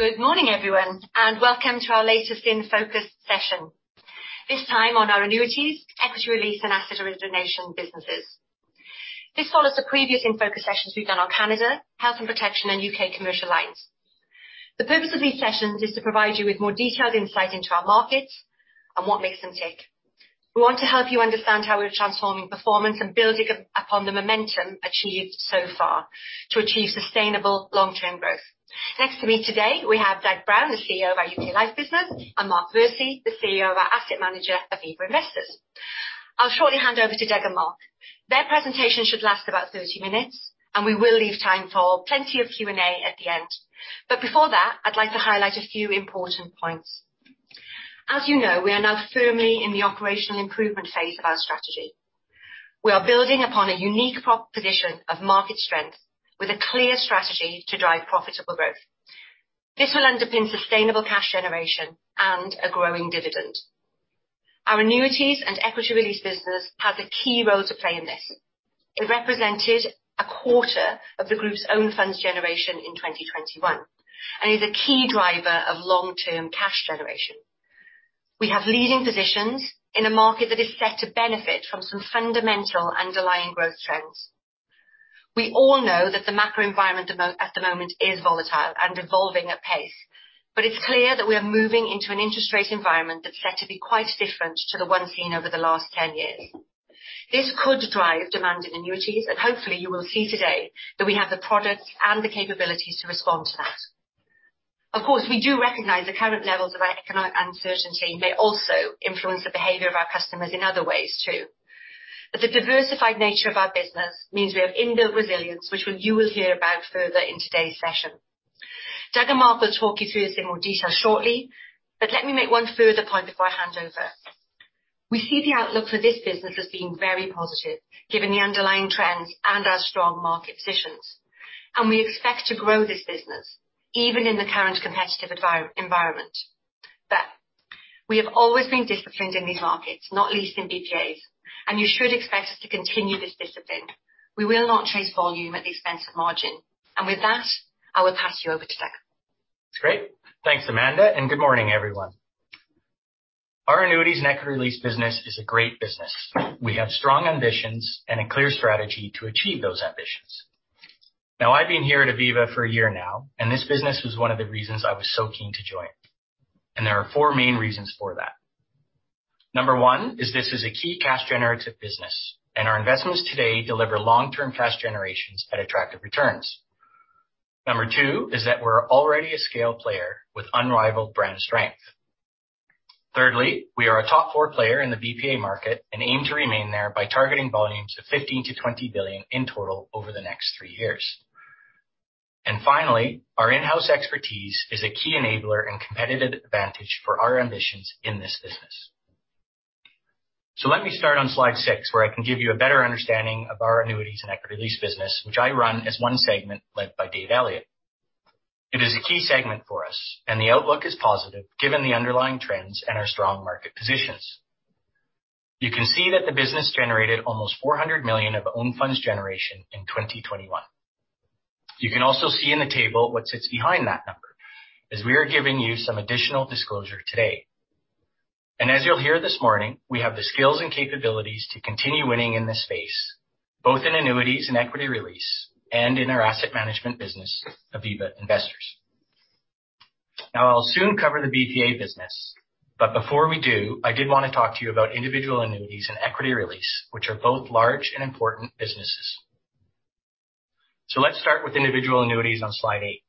Good morning, everyone, and welcome to our latest In Focus session, this time on our annuities, equity release and asset origination businesses. This follows the previous In Focus sessions we've done on Canada, health and protection, and U.K. commercial lines. The purpose of these sessions is to provide you with more detailed insight into our markets and what makes them tick. We want to help you understand how we are transforming performance and building upon the momentum achieved so far to achieve sustainable long-term growth. Next to me today, we have Doug Brown, CEO of our UK Life business, and Mark Versey, CEO of our asset manager, Aviva Investors. I'll shortly hand over to Doug and Mark. Their presentation should last about 30 minutes, and we will leave time for plenty of Q&A at the end. Before that, I'd like to highlight a few important points. As you know, we are now firmly in the operational improvement phase of our strategy. We are building upon a unique proposition of market strength with a clear strategy to drive profitable growth. This will underpin sustainable cash generation and a growing dividend. Our annuities and equity release business has a key role to play in this. It represented a quarter of the group's own funds generation in 2021, and is a key driver of long-term cash generation. We have leading positions in a market that is set to benefit from some fundamental underlying growth trends. We all know that the macro environment at the moment is volatile and evolving at pace, but it's clear that we are moving into an interest rate environment that's set to be quite different to the one seen over the last 10 years. This could drive demand in annuities and hopefully you will see today that we have the products and the capabilities to respond to that. Of course, we do recognize the current level of economic uncertainty may also influence the behavior of our customers in other ways too. The diversified nature of our business means we have inbuilt resilience, which you will hear about further in today's session. Doug and Mark will talk you through this in more detail shortly, but let me make one further point before I hand over. We see the outlook for this business as being very positive, given the underlying trends and our strong market positions. We expect to grow this business even in the current competitive environment. We have always been disciplined in these markets, not least in BPAs. You should expect us to continue this discipline. We will not chase volume at the expense of margin. With that, I will pass you over to Doug. Great. Thanks, Amanda and good morning, everyone. Our annuities and equity release business is a great business. We have strong ambitions and a clear strategy to achieve those ambitions. Now, I've been here at Aviva for a year now, and this business was one of the reasons I was so keen to join. There are four main reasons for that. Number one is this is a key cash generative business, and our investments today deliver long-term cash generations at attractive returns. Number two is that we're already a scale player with unrivaled brand strength. Thirdly, we are a top four player in the BPA market and aim to remain there by targeting volumes of 15 billion-20 billion in total over the next three years. Finally, our in-house expertise is a key enabler and competitive advantage for our ambitions in this business. Let me start on slide six, where I can give you a better understanding of our annuities and equity release business, which I run as one segment led by Dave Elliot. It is a key segment for us, and the outlook is positive given the underlying trends and our strong market positions. You can see that the business generated almost 400 million of own funds generation in 2021. You can also see in the table what sits behind that number, as we are giving you some additional disclosure today. As you'll hear this morning, we have the skills and capabilities to continue winning in this space, both in annuities and equity release and in our asset management business, Aviva Investors. I'll soon cover the BPA business, but before we do, I did wanna talk to you about individual annuities and equity release, which are both large and important businesses. Let's start with individual annuities on slide eight.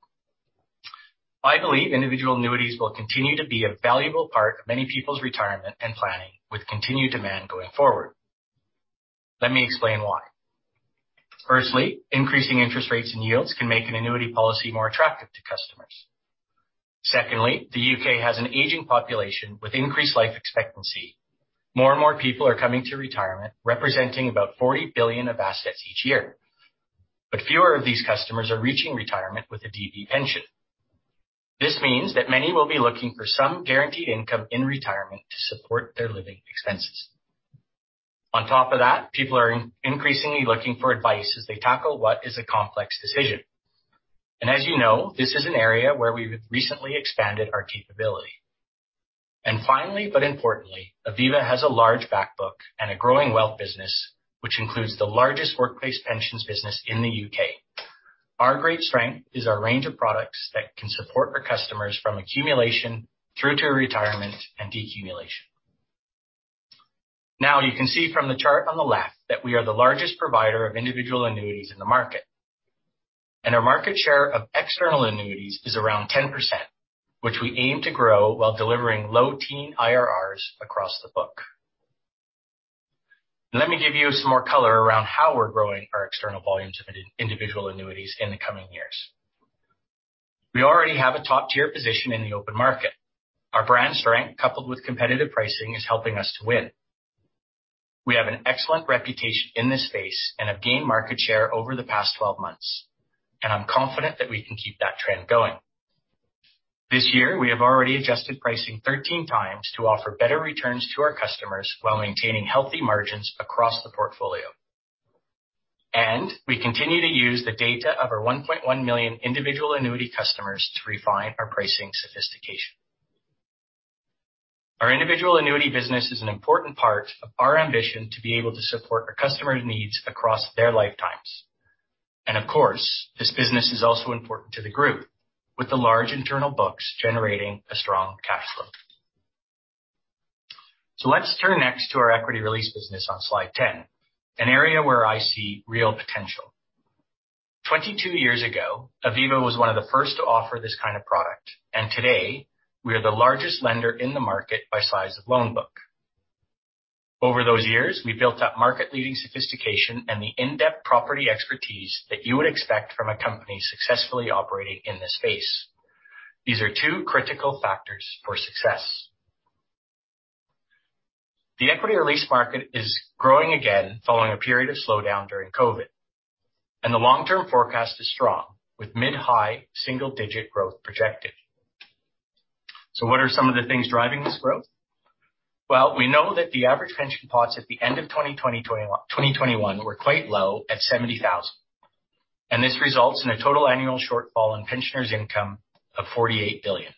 I believe individual annuities will continue to be a valuable part of many people's retirement and planning with continued demand going forward. Let me explain why. Firstly, increasing interest rates and yields can make an annuity policy more attractive to customers. Secondly, the U.K. has an aging population with increased life expectancy. More and more people are coming to retirement, representing about 40 billion of assets each year. But fewer of these customers are reaching retirement with a DB pension. This means that many will be looking for some guaranteed income in retirement to support their living expenses. On top of that, people are increasingly looking for advice as they tackle what is a complex decision. As you know, this is an area where we've recently expanded our capability. Finally, but importantly, Aviva has a large back book and a growing wealth business, which includes the largest workplace pensions business in the U.K. Our great strength is our range of products that can support our customers from accumulation through to retirement and deaccumulation. Now, you can see from the chart on the left that we are the largest provider of individual annuities in the market. Our market share of external annuities is around 10%, which we aim to grow while delivering low teen IRRs across the book. Let me give you some more color around how we're growing our external volumes of individual annuities in the coming years. We already have a top-tier position in the open market. Our brand strength, coupled with competitive pricing, is helping us to win. We have an excellent reputation in this space and have gained market share over the past 12 months, and I'm confident that we can keep that trend going. This year, we have already adjusted pricing 13 times to offer better returns to our customers while maintaining healthy margins across the portfolio. We continue to use the data of our 1.1 million individual annuity customers to refine our pricing sophistication. Our individual annuity business is an important part of our ambition to be able to support our customers' needs across their lifetimes. Of course, this business is also important to the group, with the large internal books generating a strong cash flow. Let's turn next to our equity release business on slide 10, an area where I see real potential. Twenty-two years ago, Aviva was one of the first to offer this kind of product, and today we are the largest lender in the market by size of loan book. Over those years, we built up market-leading sophistication and the in-depth property expertise that you would expect from a company successfully operating in this space. These are two critical factors for success. The equity release market is growing again following a period of slowdown during COVID, and the long-term forecast is strong, with mid-high single-digit growth projected. What are some of the things driving this growth? Well, we know that the average pension pots at the end of 2021 were quite low at 70,000. This results in a total annual shortfall in pensioners' income of 48 billion.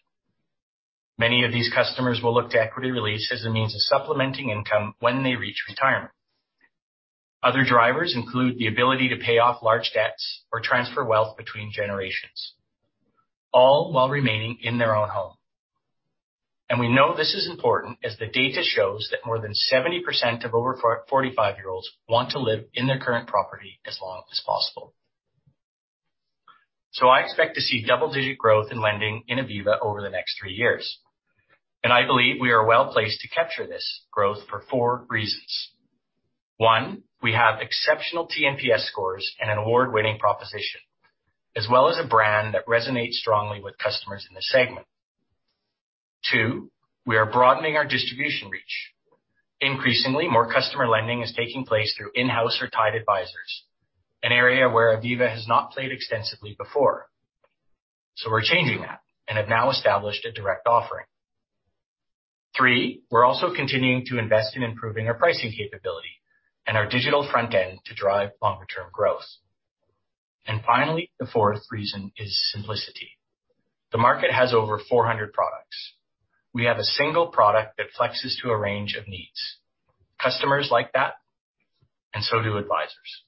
Many of these customers will look to equity release as a means of supplementing income when they reach retirement. Other drivers include the ability to pay off large debts or transfer wealth between generations, all while remaining in their own home. We know this is important as the data shows that more than 70% of over 45-year-olds want to live in their current property as long as possible. I expect to see double-digit growth in lending in Aviva over the next three years, and I believe we are well placed to capture this growth for 4 reasons. 1, we have exceptional TNPS scores and an award-winning proposition, as well as a brand that resonates strongly with customers in this segment. Two, we are broadening our distribution reach. Increasingly, more customer lending is taking place through in-house or tied advisors, an area where Aviva has not played extensively before. We're changing that and have now established a direct offering. Three, we're also continuing to invest in improving our pricing capability and our digital front end to drive longer term growth. Finally, the fourth reason is simplicity. The market has over 400 products. We have a single product that flexes to a range of needs. Customers like that, and so do advisors.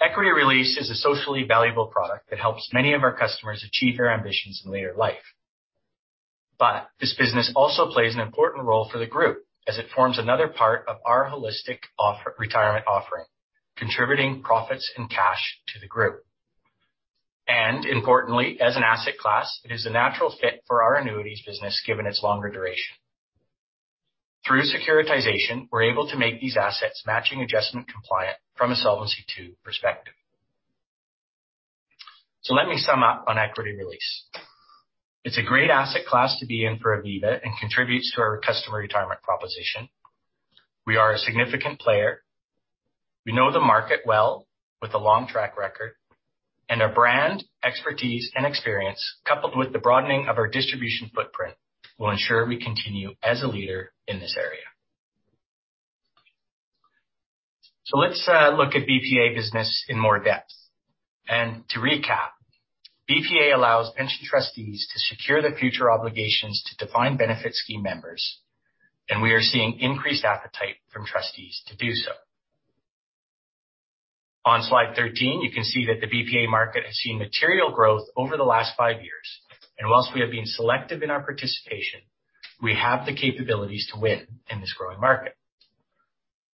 Equity release is a socially valuable product that helps many of our customers achieve their ambitions in later life. This business also plays an important role for the group as it forms another part of our holistic offer, retirement offering, contributing profits and cash to the group. Importantly, as an asset class, it is a natural fit for our annuities business given its longer duration. Through securitization, we're able to make these assets matching adjustment compliant from a Solvency II perspective. Let me sum up on equity release. It's a great asset class to be in for Aviva and contributes to our customer retirement proposition. We are a significant player. We know the market well with a long track record. Our brand, expertise, and experience, coupled with the broadening of our distribution footprint, will ensure we continue as a leader in this area. Let's look at BPA business in more depth. To recap, BPA allows pension trustees to secure their future obligations to defined benefit scheme members, and we are seeing increased appetite from trustees to do so. On slide 13, you can see that the BPA market has seen material growth over the last five years, and while we have been selective in our participation, we have the capabilities to win in this growing market.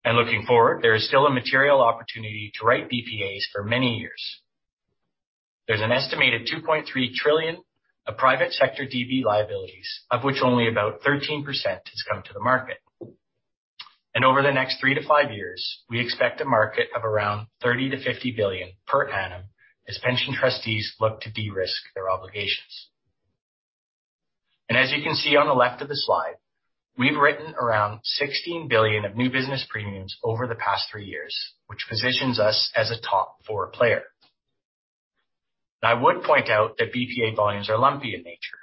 Looking forward, there is still a material opportunity to write BPAs for many years. There's an estimated 2.3 trillion of private sector DB liabilities, of which only about 13% has come to the market. Over the next three to five years, we expect a market of around 30 billion-50 billion per annum as pension trustees look to de-risk their obligations. As you can see on the left of the slide, we've written around 16 billion of new business premiums over the past 3 years, which positions us as a top four player. Now, I would point out that BPA volumes are lumpy in nature,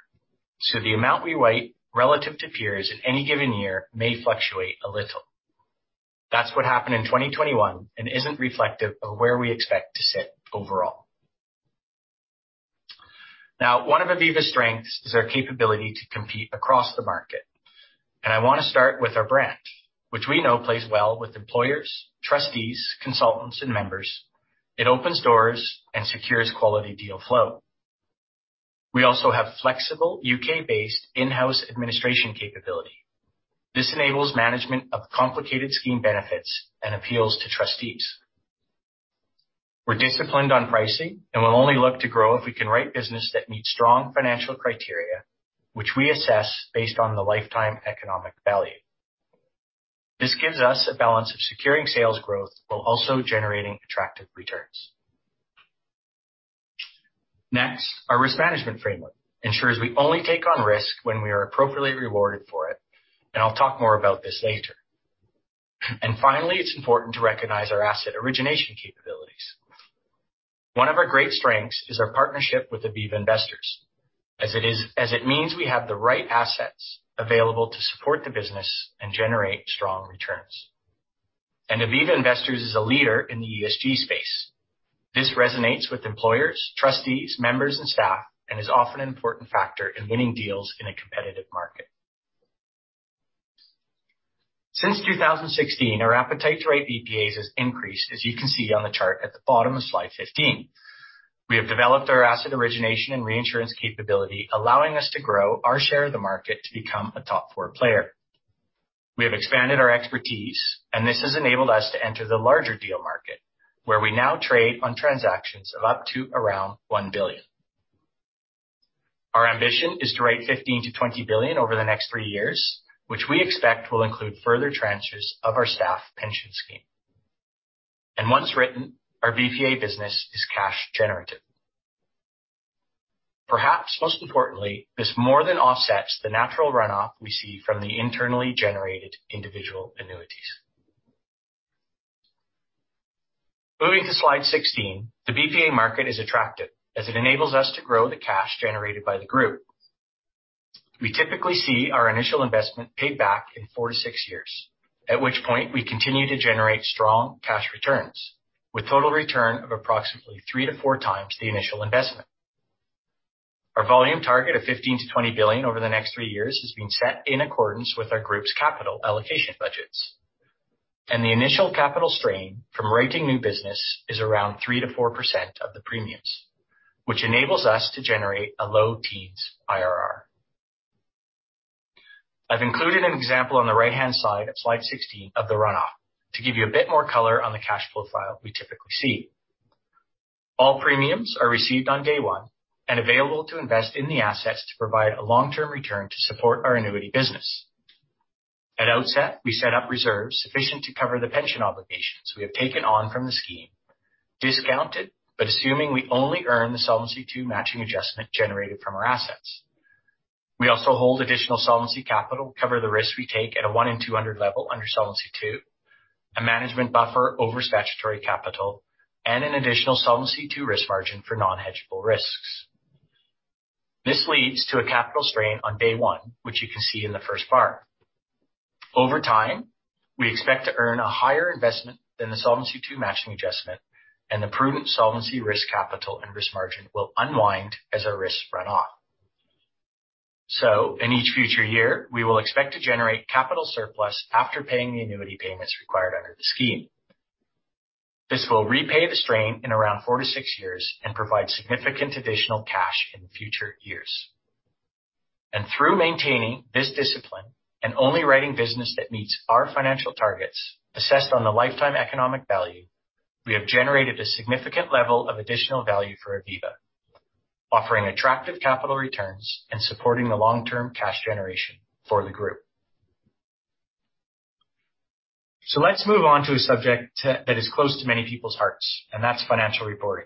so the amount we write relative to peers in any given year may fluctuate a little. That's what happened in 2021 and isn't reflective of where we expect to sit overall. Now, one of Aviva's strengths is our capability to compete across the market. I want to start with our brand, which we know plays well with employers, trustees, consultants, and members. It opens doors and secures quality deal flow. We also have flexible U.K based in-house administration capability. This enables management of complicated scheme benefits and appeals to trustees. We're disciplined on pricing and will only look to grow if we can write business that meets strong financial criteria, which we assess based on the lifetime economic value. This gives us a balance of securing sales growth while also generating attractive returns. Next, our risk management framework ensures we only take on risk when we are appropriately rewarded for it, and I'll talk more about this later. Finally, it's important to recognize our asset origination capabilities. One of our great strengths is our partnership with Aviva Investors. As it means we have the right assets available to support the business and generate strong returns. Aviva Investors is a leader in the ESG space. This resonates with employers, trustees, members, and staff, and is often an important factor in winning deals in a competitive market. Since 2016, our appetite to write BPAs has increased, as you can see on the chart at the bottom of slide 15. We have developed our asset origination and reinsurance capability, allowing us to grow our share of the market to become a top four player. We have expanded our expertise, and this has enabled us to enter the larger deal market, where we now trade on transactions of up to around 1 billion. Our ambition is to write 15 billion-20 billion over the next three years, which we expect will include further tranches of our staff pension scheme. Once written, our BPA business is cash generative. Perhaps most importantly, this more than offsets the natural runoff we see from the internally generated individual annuities. Moving to slide 16. The BPA market is attractive as it enables us to grow the cash generated by the group. We typically see our initial investment paid back in four to six years, at which point we continue to generate strong cash returns with total return of approximately three to four times the initial investment. Our volume target of 15 billion-20 billion over the next three years has been set in accordance with our group's capital allocation budgets. The initial capital strain from writing new business is around 3%-4% of the premiums, which enables us to generate a low teens IRR. I've included an example on the right-hand side of slide 16 of the runoff to give you a bit more color on the cash flow profile we typically see. All premiums are received on day one and available to invest in the assets to provide a long-term return to support our annuity business. At outset, we set up reserves sufficient to cover the pension obligations we have taken on from the scheme, discounted, but assuming we only earn the Solvency II matching adjustment generated from our assets. We also hold additional solvency capital, cover the risks we take at a 1 in 200 level under Solvency II, a management buffer over statutory capital, and an additional Solvency II risk margin for non-hedgable risks. This leads to a capital strain on day one, which you can see in the first bar. Over time, we expect to earn a higher investment than the Solvency II matching adjustment and the prudent solvency risk capital and risk margin will unwind as our risks run off. In each future year, we will expect to generate capital surplus after paying the annuity payments required under the scheme. This will repay the strain in around four to six years and provide significant additional cash in future years. Through maintaining this discipline and only writing business that meets our financial targets, assessed on the lifetime economic value, we have generated a significant level of additional value for Aviva, offering attractive capital returns and supporting the long-term cash generation for the group. Let's move on to a subject that is close to many people's hearts, and that's financial reporting.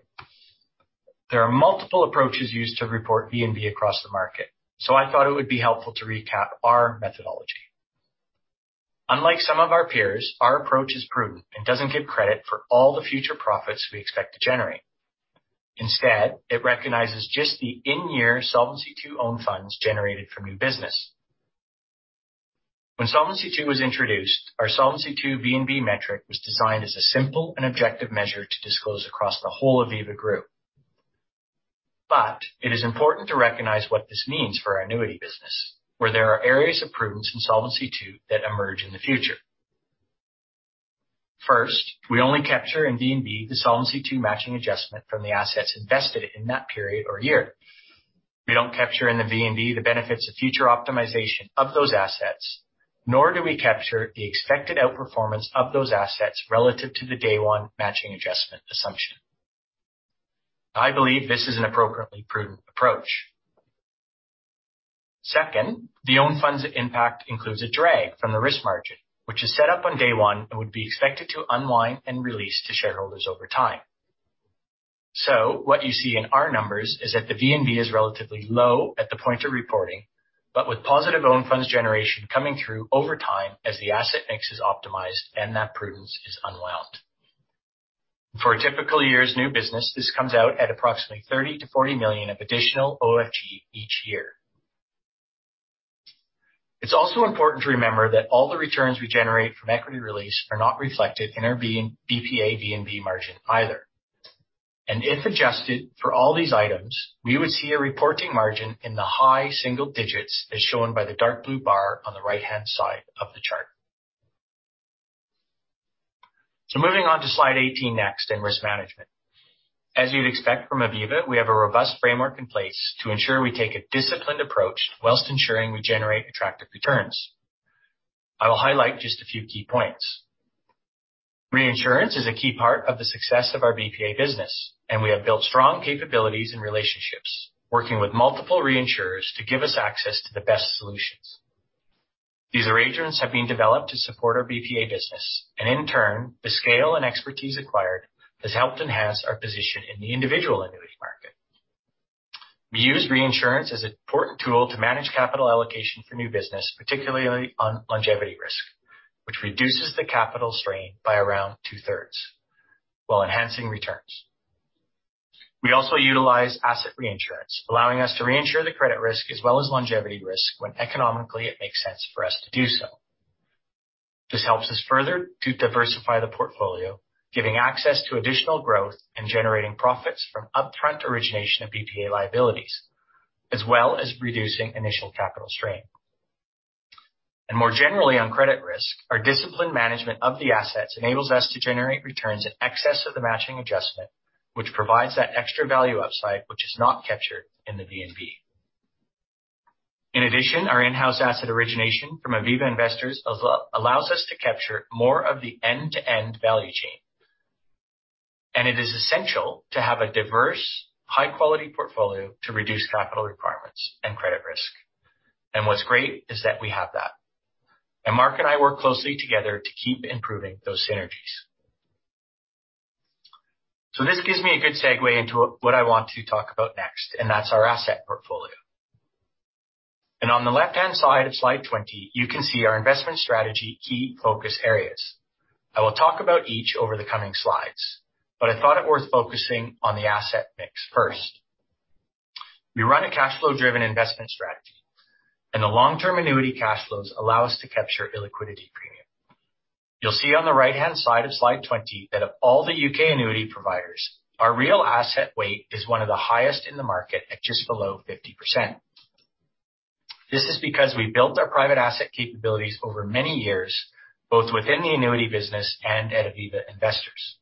There are multiple approaches used to report VNB across the market, so I thought it would be helpful to recap our methodology. Unlike some of our peers, our approach is prudent and doesn't give credit for all the future profits we expect to generate. Instead, it recognizes just the in-year Solvency II own funds generated from new business. When Solvency II was introduced, our Solvency II VNB metric was designed as a simple and objective measure to disclose across the whole Aviva group. It is important to recognize what this means for our annuity business, where there are areas of prudence in Solvency II that emerge in the future. First, we only capture in VNB the Solvency II matching adjustment from the assets invested in that period or year. We don't capture in the VNB the benefits of future optimization of those assets, nor do we capture the expected outperformance of those assets relative to the day one matching adjustment assumption. I believe this is an appropriately prudent approach. Second, the own funds impact includes a drag from the risk margin, which is set up on day one and would be expected to unwind and release to shareholders over time. What you see in our numbers is that the VNB is relatively low at the point of reporting, but with positive own funds generation coming through over time as the asset mix is optimized and that prudence is unwound. For a typical year's new business, this comes out at approximately 30 million-40 million of additional OFG each year. It's also important to remember that all the returns we generate from equity release are not reflected in our BPA VNB margin either. If adjusted for all these items, we would see a reporting margin in the high single digits, as shown by the dark blue bar on the right-hand side of the chart. Moving on to slide 18 next in risk management. As you'd expect from Aviva, we have a robust framework in place to ensure we take a disciplined approach while ensuring we generate attractive returns. I will highlight just a few key points. Reinsurance is a key part of the success of our BPA business, and we have built strong capabilities and relationships, working with multiple reinsurers to give us access to the best solutions. These arrangements have been developed to support our BPA business, and in turn, the scale and expertise acquired has helped enhance our position in the individual annuity market. We use reinsurance as an important tool to manage capital allocation for new business, particularly on longevity risk, which reduces the capital strain by around two-thirds while enhancing returns. We also utilize asset reinsurance, allowing us to reinsure the credit risk as well as longevity risk when economically it makes sense for us to do so. This helps us further to diversify the portfolio, giving access to additional growth and generating profits from upfront origination of BPA liabilities, as well as reducing initial capital strain. More generally on credit risk, our disciplined management of the assets enables us to generate returns in excess of the matching adjustment, which provides that extra value upside which is not captured in the VNB. In addition, our in-house asset origination from Aviva Investors allows us to capture more of the end-to-end value chain. It is essential to have a diverse, high quality portfolio to reduce capital requirements and credit risk. What's great is that we have that. Mark and I work closely together to keep improving those synergies. This gives me a good segue into what I want to talk about next, and that's our asset portfolio. On the left-hand side of slide 20, you can see our investment strategy key focus areas. I will talk about each over the coming slides, but I thought it worth focusing on the asset mix first. We run a cash flow driven investment strategy, and the long term annuity cash flows allow us to capture illiquidity premium. You'll see on the right-hand side of slide 20 that of all the U.K. annuity providers, our real asset weight is one of the highest in the market at just below 50%. This is because we built our private asset capabilities over many years, both within the annuity business and at Aviva Investors.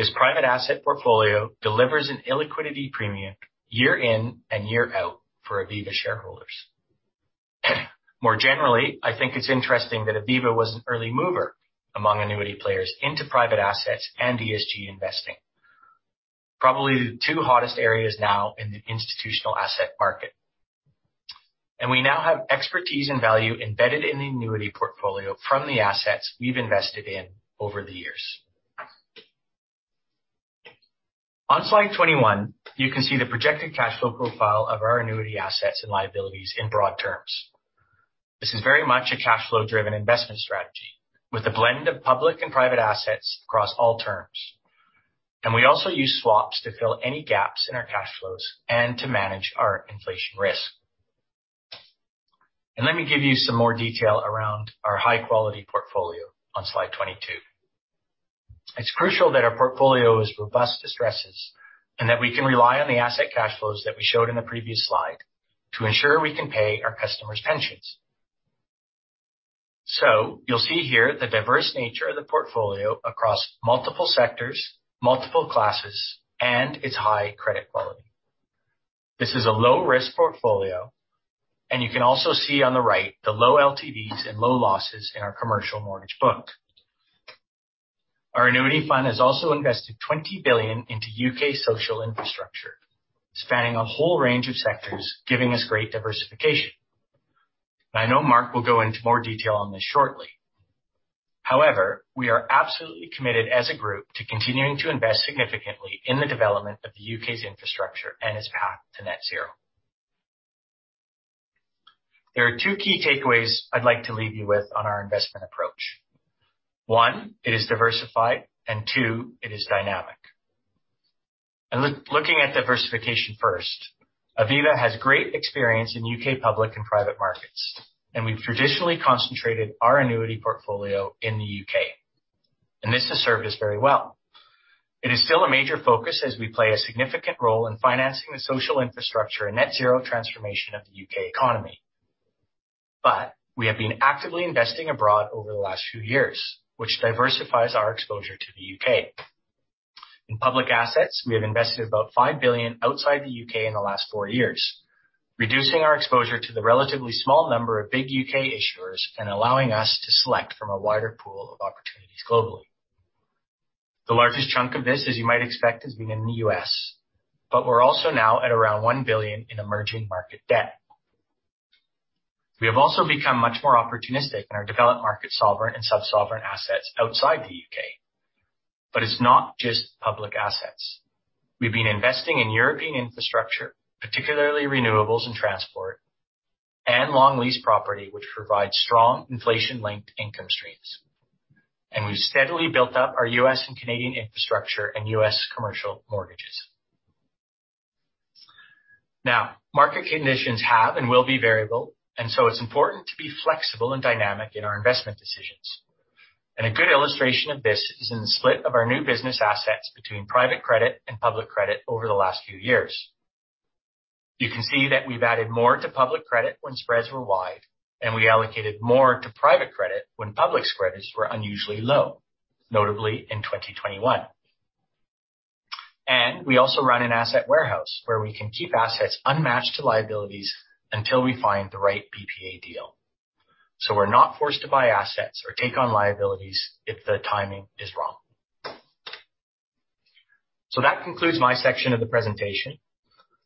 This private asset portfolio delivers an illiquidity premium year in and year out for Aviva shareholders. More generally, I think it's interesting that Aviva was an early mover among annuity players into private assets and ESG investing. Probably the two hottest areas now in the institutional asset market. We now have expertise and value embedded in the annuity portfolio from the assets we've invested in over the years. On slide 21, you can see the projected cash flow profile of our annuity assets and liabilities in broad terms. This is very much a cash flow driven investment strategy with a blend of public and private assets across all terms. We also use swaps to fill any gaps in our cash flows and to manage our inflation risk. Let me give you some more detail around our high quality portfolio on slide 22. It's crucial that our portfolio is robust to stresses and that we can rely on the asset cash flows that we showed in the previous slide to ensure we can pay our customers' pensions. You'll see here the diverse nature of the portfolio across multiple sectors, multiple classes, and its high credit quality. This is a low risk portfolio, and you can also see on the right the low LTVs and low losses in our commercial mortgage book. Our annuity fund has also invested 20 billion into U.K. social infrastructure, spanning a whole range of sectors, giving us great diversification. I know Mark will go into more detail on this shortly. However, we are absolutely committed as a group to continuing to invest significantly in the development of the U.K.'s infrastructure and its path to net zero. There are two key takeaways I'd like to leave you with on our investment approach. One, it is diversified and two, it is dynamic. Look, looking at diversification first. Aviva has great experience in U.K. public and private markets, and we've traditionally concentrated our annuity portfolio in the U.K., and this has served us very well. It is still a major focus as we play a significant role in financing the social infrastructure and net zero transformation of the U.K. economy. We have been actively investing abroad over the last few years, which diversifies our exposure to the U.K. In public assets, we have invested about 5 billion outside the U.K. in the last 4 years, reducing our exposure to the relatively small number of big U.K. issuers and allowing us to select from a wider pool of opportunities globally. The largest chunk of this, as you might expect, has been in the U.S. We're also now at around 1 billion in emerging market debt. We have also become much more opportunistic in our developed market, sovereign and sub-sovereign assets outside the U.K. It's not just public assets. We've been investing in European infrastructure, particularly renewables and transport and long lease property, which provides strong inflation-linked income streams. We've steadily built up our U.S. and Canadian infrastructure and U.S. commercial mortgages. Now, market conditions have and will be variable, and so it's important to be flexible and dynamic in our investment decisions. A good illustration of this is in the split of our new business assets between private credit and public credit over the last few years. You can see that we've added more to public credit when spreads were wide, and we allocated more to private credit when public spreads were unusually low, notably in 2021. We also run an asset warehouse where we can keep assets unmatched to liabilities until we find the right BPA deal. We're not forced to buy assets or take on liabilities if the timing is wrong. That concludes my section of the presentation.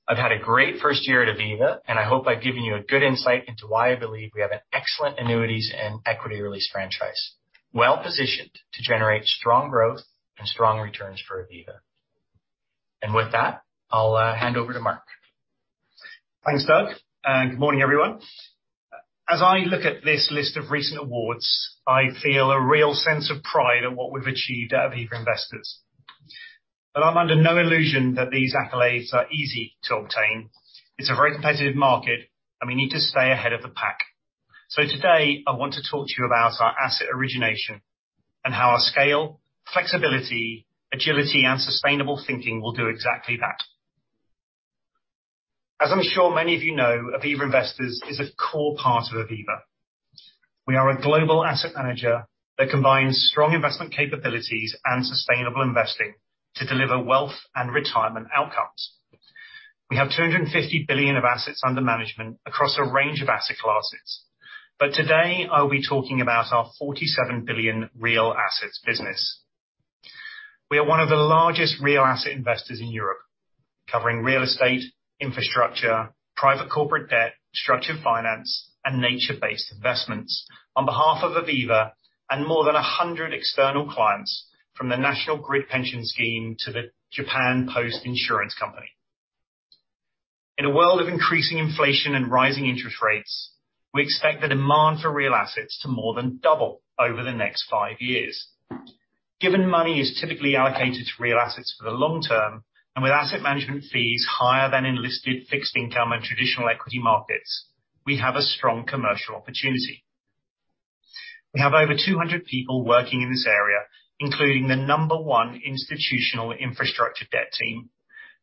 I've had a great first year at Aviva, and I hope I've given you a good insight into why I believe we have an excellent annuities and equity release franchise. Well positioned to generate strong growth and strong returns for Aviva. With that, I'll hand over to Mark. Thanks Doug, and good morning, everyone. As I look at this list of recent awards, I feel a real sense of pride in what we've achieved at Aviva Investors. I'm under no illusion that these accolades are easy to obtain. It's a very competitive market, and we need to stay ahead of the pack. Today, I want to talk to you about our asset origination and how our scale, flexibility, agility, and sustainable thinking will do exactly that. As I'm sure many of you know, Aviva Investors is a core part of Aviva. We are a global asset manager that combines strong investment capabilities and sustainable investing to deliver wealth and retirement outcomes. We have 250 billion of assets under management across a range of asset classes. Today, I'll be talking about our 47 billion real assets business. We are one of the largest real asset investors in Europe, covering real estate, infrastructure, private corporate debt, structured finance, and nature-based investments on behalf of Aviva and more than 100 external clients from the National Grid Pension Scheme to the Japan Post Insurance Company. In a world of increasing inflation and rising interest rates, we expect the demand for real assets to more than double over the next 5 years. Given money is typically allocated to real assets for the long term, and with asset management fees higher than in listed fixed income and traditional equity markets, we have a strong commercial opportunity. We have over 200 people working in this area, including the number one institutional infrastructure debt team,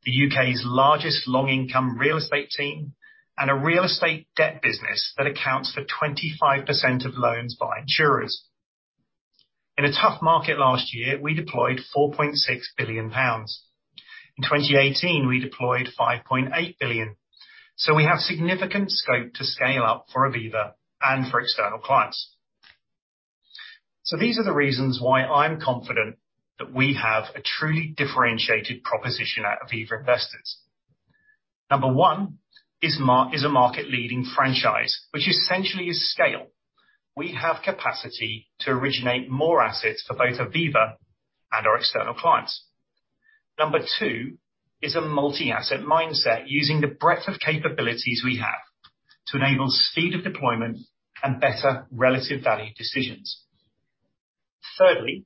the UK's largest long income real estate team, and a real estate debt business that accounts for 25% of loans by insurers. In a tough market last year, we deployed 4.6 billion pounds. In 2018, we deployed 5.8 billion. We have significant scope to scale up for Aviva and for external clients. These are the reasons why I'm confident that we have a truly differentiated proposition at Aviva Investors. Number one is a market leading franchise, which essentially is scale. We have capacity to originate more assets for both Aviva and our external clients. Number two is a multi-asset mindset using the breadth of capabilities we have to enable speed of deployment and better relative value decisions. Thirdly,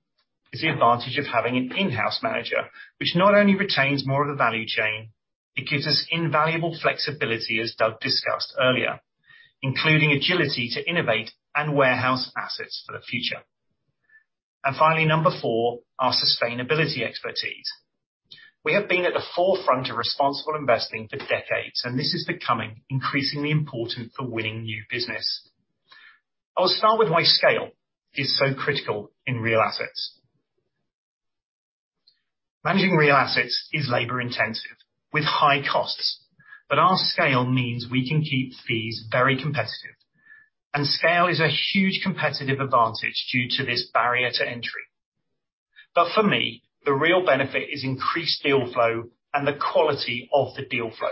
is the advantage of having an in-house manager, which not only retains more of the value chain, it gives us invaluable flexibility, as Doug discussed earlier, including agility to innovate and warehouse assets for the future. Finally, number four, our sustainability expertise. We have been at the forefront of responsible investing for decades, and this is becoming increasingly important for winning new business. I'll start with why scale is so critical in real assets. Managing real assets is labor-intensive with high costs, but our scale means we can keep fees very competitive. Scale is a huge competitive advantage due to this barrier to entry. For me, the real benefit is increased deal flow and the quality of the deal flow.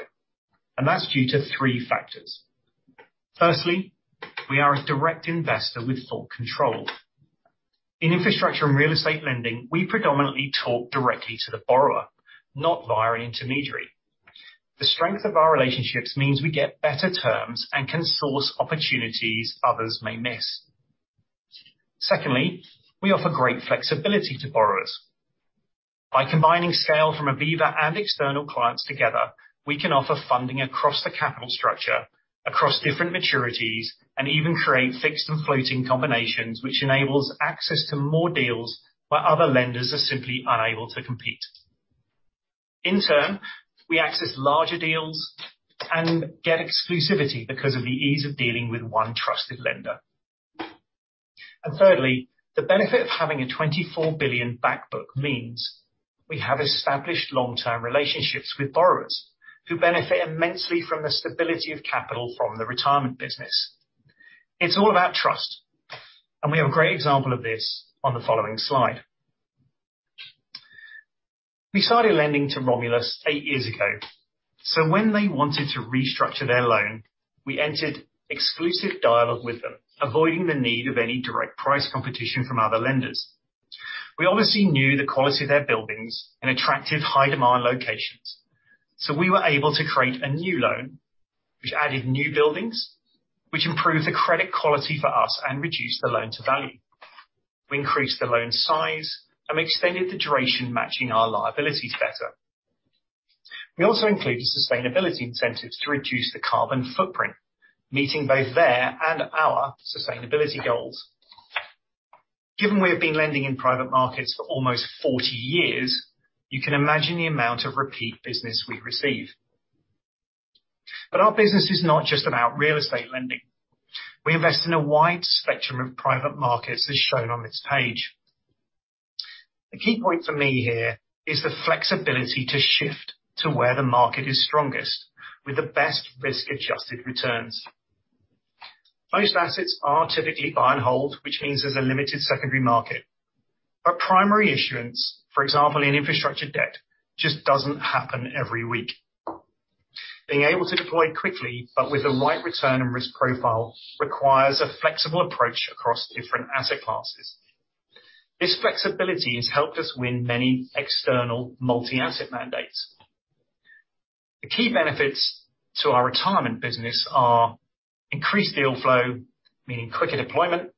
That's due to three factors. Firstly, we are a direct investor with full control. In infrastructure and real estate lending, we predominantly talk directly to the borrower, not via an intermediary. The strength of our relationships means we get better terms and can source opportunities others may miss. Secondly, we offer great flexibility to borrowers. By combining scale from Aviva and external clients together, we can offer funding across the capital structure, across different maturities, and even create fixed and floating combinations, which enables access to more deals where other lenders are simply unable to compete. In turn, we access larger deals and get exclusivity because of the ease of dealing with one trusted lender. Thirdly, the benefit of having a 24 billion back book means we have established long-term relationships with borrowers who benefit immensely from the stability of capital from the retirement business. It's all about trust, and we have a great example of this on the following slide. We started lending to Romulus eight years ago, so when they wanted to restructure their loan, we entered exclusive dialogue with them, avoiding the need of any direct price competition from other lenders. We obviously knew the quality of their buildings in attractive high-demand locations. We were able to create a new loan, which added new buildings, which improved the credit quality for us and reduced the loan-to-value. We increased the loan size, and we extended the duration matching our liabilities better. We also included sustainability incentives to reduce the carbon footprint, meeting both their and our sustainability goals. Given we have been lending in private markets for almost 40 years, you can imagine the amount of repeat business we receive. Our business is not just about real estate lending. We invest in a wide spectrum of private markets, as shown on this page. The key point for me here is the flexibility to shift to where the market is strongest with the best risk-adjusted returns. Most assets are typically buy and hold, which means there's a limited secondary market. Primary issuance, for example, in infrastructure debt, just doesn't happen every week. Being able to deploy quickly but with the right return and risk profile requires a flexible approach across different asset classes. This flexibility has helped us win many external multi-asset mandates. The key benefits to our retirement business are increased deal flow, meaning quicker deployment,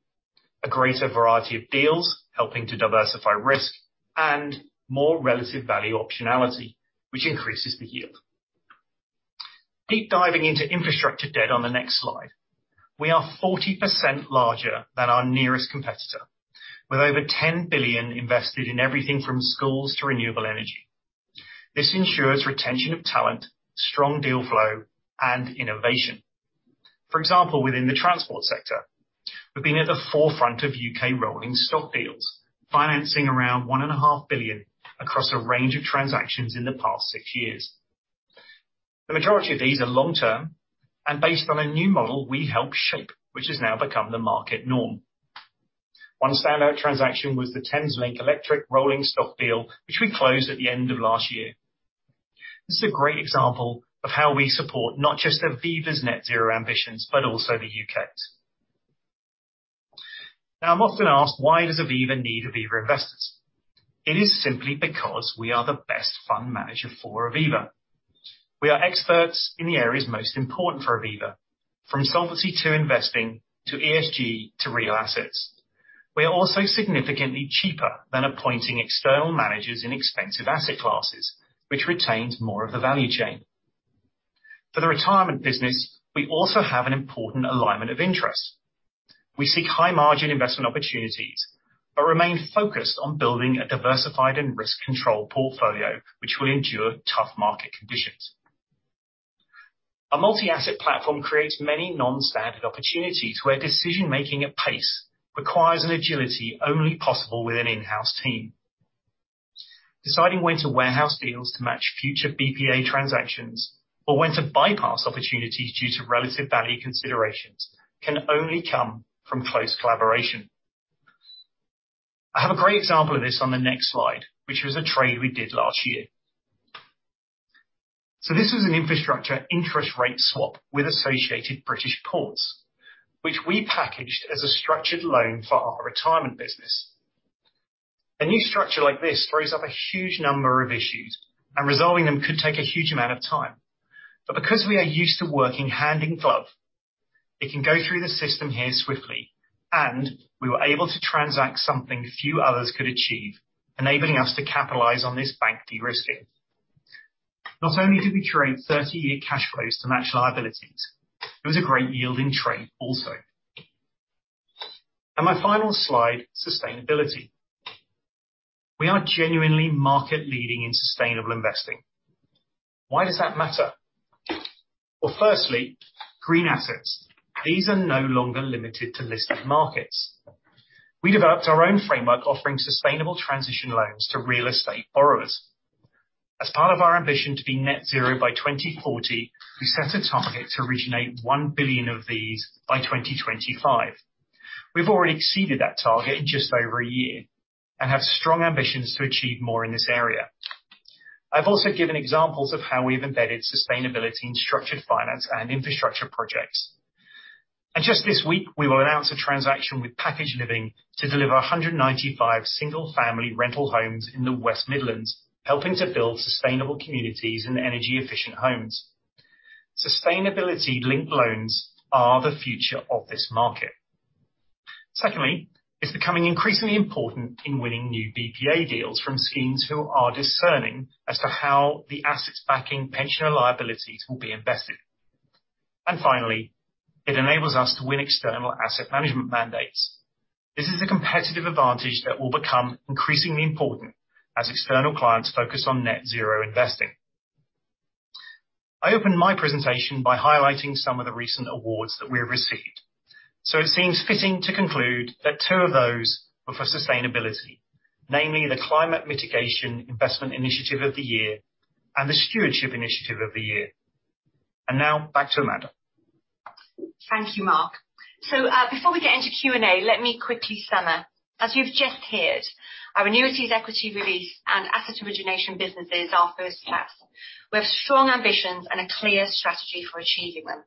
a greater variety of deals, helping to diversify risk, and more relative value optionality, which increases the yield. Deep diving into infrastructure debt on the next slide. We are 40% larger than our nearest competitor, with over 10 billion invested in everything from schools to renewable energy. This ensures retention of talent, strong deal flow, and innovation. For example, within the transport sector, we've been at the forefront of UK rolling stock deals, financing around 1.5 billion across a range of transactions in the past six years. The majority of these are long-term and based on a new model we helped shape, which has now become the market norm. One standout transaction was the Thameslink electric rolling stock deal, which we closed at the end of last year. This is a great example of how we support not just Aviva's net zero ambitions, but also the UK's. Now, I'm often asked, why does Aviva need Aviva Investors? It is simply because we are the best fund manager for Aviva. We are experts in the areas most important for Aviva, from solvency to investing, to ESG, to real assets. We are also significantly cheaper than appointing external managers in expensive asset classes, which retains more of the value chain. For the retirement business, we also have an important alignment of interest. We seek high margin investment opportunities, but remain focused on building a diversified and risk-controlled portfolio which will endure tough market conditions. A multi-asset platform creates many non-standard opportunities where decision-making at pace requires an agility only possible with an in-house team. Deciding when to warehouse deals to match future BPA transactions or when to bypass opportunities due to relative value considerations can only come from close collaboration. I have a great example of this on the next slide, which was a trade we did last year. This was an infrastructure interest rate swap with Associated British Ports, which we packaged as a structured loan for our retirement business. A new structure like this throws up a huge number of issues, and resolving them could take a huge amount of time. Because we are used to working hand in glove, it can go through the system here swiftly, and we were able to transact something few others could achieve, enabling us to capitalize on this bank de-risking. Not only did we trade 30-year cash flows to match liabilities, it was a great yielding trade also. My final slide, sustainability. We are genuinely market leading in sustainable investing. Why does that matter? Well firstly, green assets. These are no longer limited to listed markets. We developed our own framework offering sustainable transition loans to real estate borrowers. As part of our ambition to be net zero by 2040, we set a target to originate 1 billion of these by 2025. We've already exceeded that target in just over a year and have strong ambitions to achieve more in this area. I've also given examples of how we've embedded sustainability in structured finance and infrastructure projects. Just this week, we will announce a transaction with Packaged Living to deliver 195 single-family rental homes in the West Midlands, helping to build sustainable communities and energy-efficient homes. Sustainability-linked loans are the future of this market. Secondly, it's becoming increasingly important in winning new BPA deals from schemes who are discerning as to how the assets backing pensioner liabilities will be invested. Finally, it enables us to win external asset management mandates. This is a competitive advantage that will become increasingly important as external clients focus on net zero investing. I opened my presentation by highlighting some of the recent awards that we have received, so it seems fitting to conclude that two of those were for sustainability, namely the Climate Mitigation Investment Initiative of the Year and the Stewardship Initiative of the Year. Now back to Amanda. Thank you, Mark. Before we get into Q&A, let me quickly sum up. As you've just heard, our annuities, equity release, and asset origination businesses are first class. We have strong ambitions and a clear strategy for achieving them.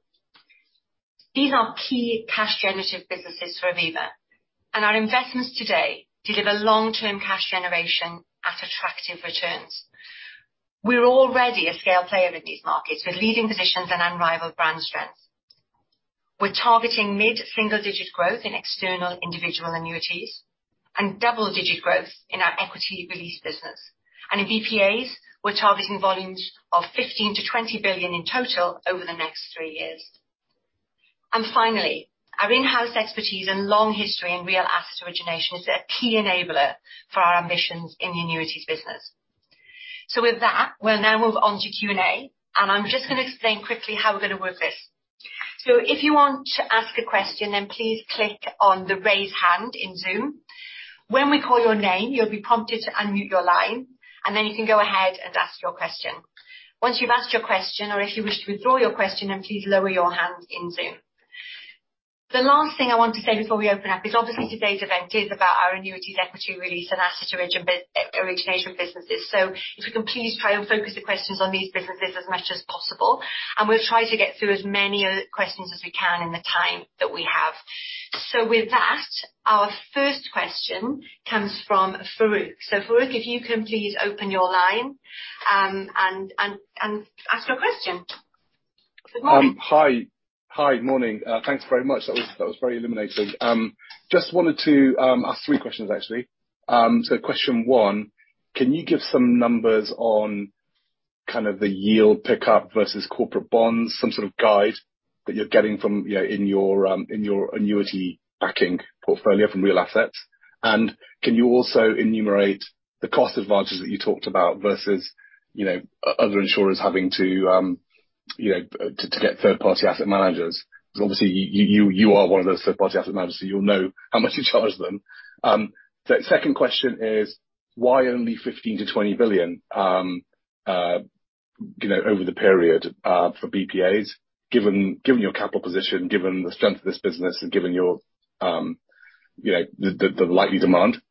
These are key cash generative businesses for Aviva, and our investments today deliver long-term cash generation at attractive returns. We're already a scale player in these markets with leading positions and unrivaled brand strength. We're targeting mid-single digit growth in external individual annuities and double-digit growth in our equity release business. In BPAs, we're targeting volumes of 15 billion-20 billion in total over the next three years. Finally, our in-house expertise and long history in real asset origination is a key enabler for our ambitions in the annuities business. With that, we'll now move on to Q&A, and I'm just gonna explain quickly how we're gonna work this. If you want to ask a question, then please click on the Raise Hand in Zoom. When we call your name, you'll be prompted to unmute your line, and then you can go ahead and ask your question. Once you've asked your question or if you wish to withdraw your question, then please lower your hand in Zoom. The last thing I want to say before we open up is obviously today's event is about our annuities, equity release and asset origination businesses. If we can please try and focus the questions on these businesses as much as possible, and we'll try to get through as many questions as we can in the time that we have. With that, our first question comes from Farooq. Farooq, if you can please open your line, and ask your question. Good morning. Hi. Good morning. Thanks very much. That was very illuminating. Just wanted to ask three questions actually. Question one, can you give some numbers on kind of the yield pickup versus corporate bonds? Some sort of guide that you're getting from, you know, in your annuity backing portfolio from real assets. And can you also enumerate the cost advantages that you talked about versus, you know, other insurers having to, you know, to get third-party asset managers? 'Cause obviously you are one of those third-party asset managers, so you'll know how much you charge them. The second question is why only 15-20 billion, you know, over the period, for BPAs, given your capital position, given the strength of this business and given the likely demand?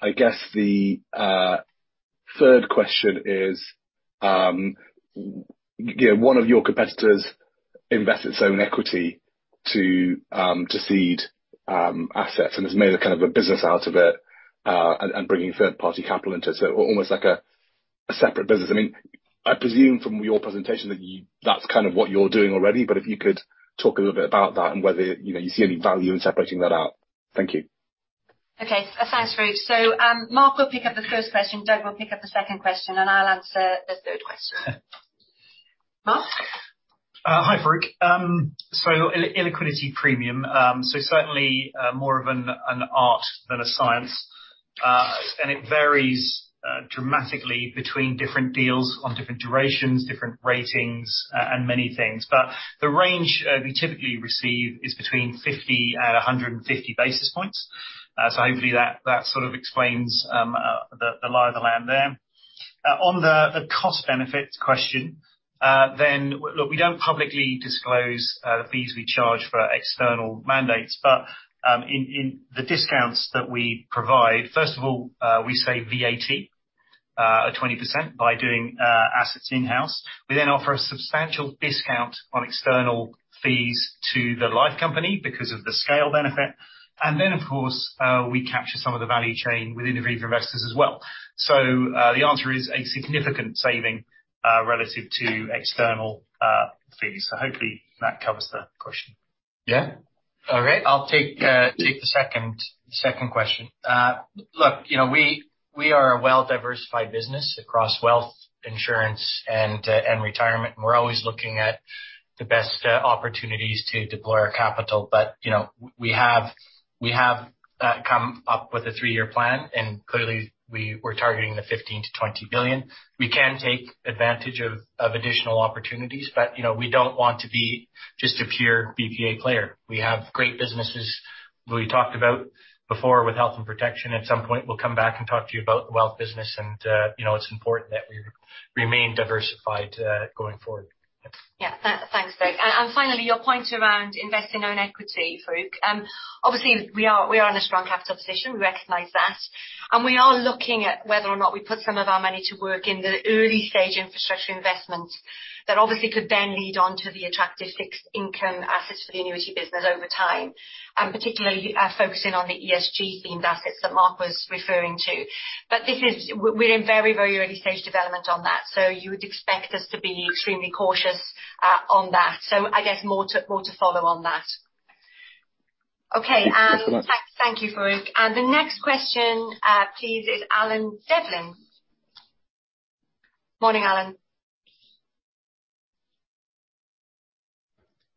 I guess the third question is, you know, one of your competitors invested its own equity to seed assets and has made a kind of a business out of it, and bringing third-party capital into it. Almost like a separate business. I mean, I presume from your presentation that you that's kind of what you're doing already, but if you could talk a little bit about that and whether, you know, you see any value in separating that out. Thank you. Okay. Thanks, Farooq. Mark will pick up the first question, Doug will pick up the second question, and I'll answer the third question. Mark. Hi, Farooq. Illiquidity premium, certainly more of an art than a science. It varies dramatically between different deals on different durations, different ratings and many things. The range we typically receive is between 50 and 150 basis points. Hopefully that sort of explains the lie of the land there. On the cost benefit question, look, we don't publicly disclose the fees we charge for external mandates, but in the discounts that we provide, first of all, we save VAT at 20% by doing assets in-house. We then offer a substantial discount on external fees to the life company because of the scale benefit. Of course, we capture some of the value chain within Aviva Investors as well. The answer is a significant saving relative to external fees. Hopefully that covers the question. Yeah. All right. I'll take the second question. Look, you know, we are a well-diversified business across wealth, insurance and retirement. We're always looking at the best opportunities to deploy our capital. You know, we have come up with a three year plan, and clearly we're targeting the 15 billion-20 billion. We can take advantage of additional opportunities, but, you know, we don't want to be just a pure BPA player. We have great businesses we talked about before with health and protection. At some point, we'll come back and talk to you about the wealth business and you know, it's important that we remain diversified going forward. Yeah. Thanks, Doug. And finally, your point around investing in equity, Farooq. Obviously we are in a strong capital position. We recognize that. We are looking at whether or not we put some of our money to work in the early-stage infrastructure investments that obviously could then lead on to the attractive fixed income assets for the annuity business over time, and particularly focusing on the ESG-themed assets that Mark was referring to. This is. We're in very early-stage development on that. You would expect us to be extremely cautious on that. I guess more to follow on that. Thanks a lot. Okay. Thank you, Farooq. The next question, please, is Alan Devlin. Morning, Alan.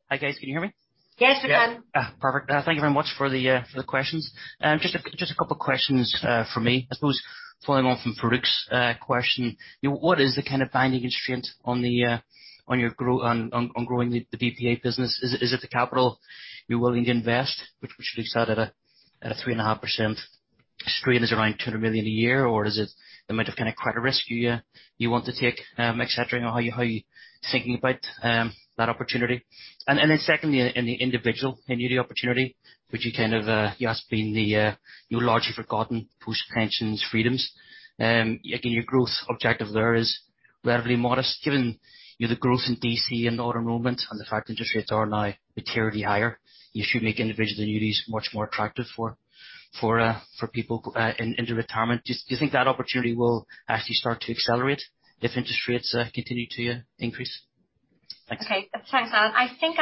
Hi, guys. Can you hear me? Yes, we can. Yeah. Perfect. Thank you very much for the questions. Just a couple questions from me. I suppose following on from Farouk's question, you know, what is the kind of binding constraint on your growing the BPA business? Is it the capital you're willing to invest, which leaves that at a 3.5% stream is around 200 million a year, or is it the amount of kind of credit risk you want to take, et cetera? You know, how are you thinking about that opportunity? And then secondly, in the individual annuity opportunity, which you kind of asked being the largely forgotten post-Pension freedoms. Again, your growth objective there is relatively modest given, you know, the growth in DC and auto-enrollment and the fact interest rates are now materially higher. You should make individual annuities much more attractive for people into retirement. Do you think that opportunity will actually start to accelerate if interest rates continue to increase? Thanks. Okay. Thanks, Alan. I think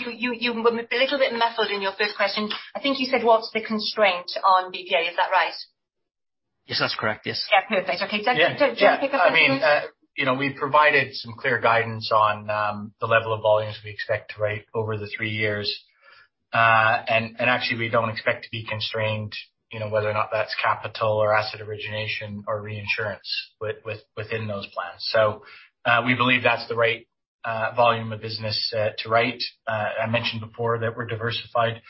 you were a little bit muffled in your first question. I think you said, "What's the constraint on BPA?" Is that right? Yes, that's correct. Yes. Yeah. Perfect. Okay. Doug- Yeah. Doug, do you want to pick up the first? Yeah. I mean you know, we've provided some clear guidance on the level of volumes we expect to write over the three years. Actually, we don't expect to be constrained, you know, whether or not that's capital or asset origination or reinsurance within those plans. We believe that's the right volume of business to write. I mentioned before that we're diversified.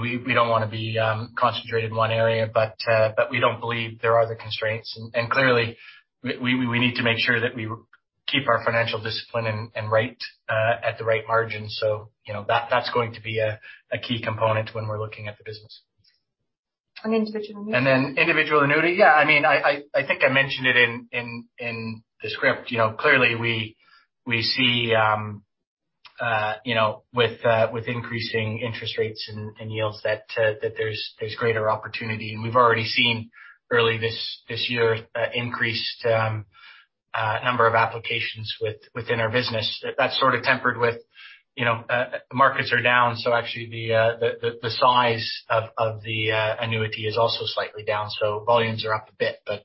We don't wanna be concentrated in one area, but we don't believe there are the constraints. Clearly, we need to make sure that we keep our financial discipline in right at the right margin. You know, that's going to be a key component when we're looking at the business. Individual annuities? Individual annuity, yeah. I mean, I think I mentioned it in the script. You know, clearly, we see you know, with increasing interest rates and yields that there's greater opportunity. We've already seen early this year increased number of applications within our business. That's sort of tempered with, you know, markets are down, so actually the size of the annuity is also slightly down. Volumes are up a bit, but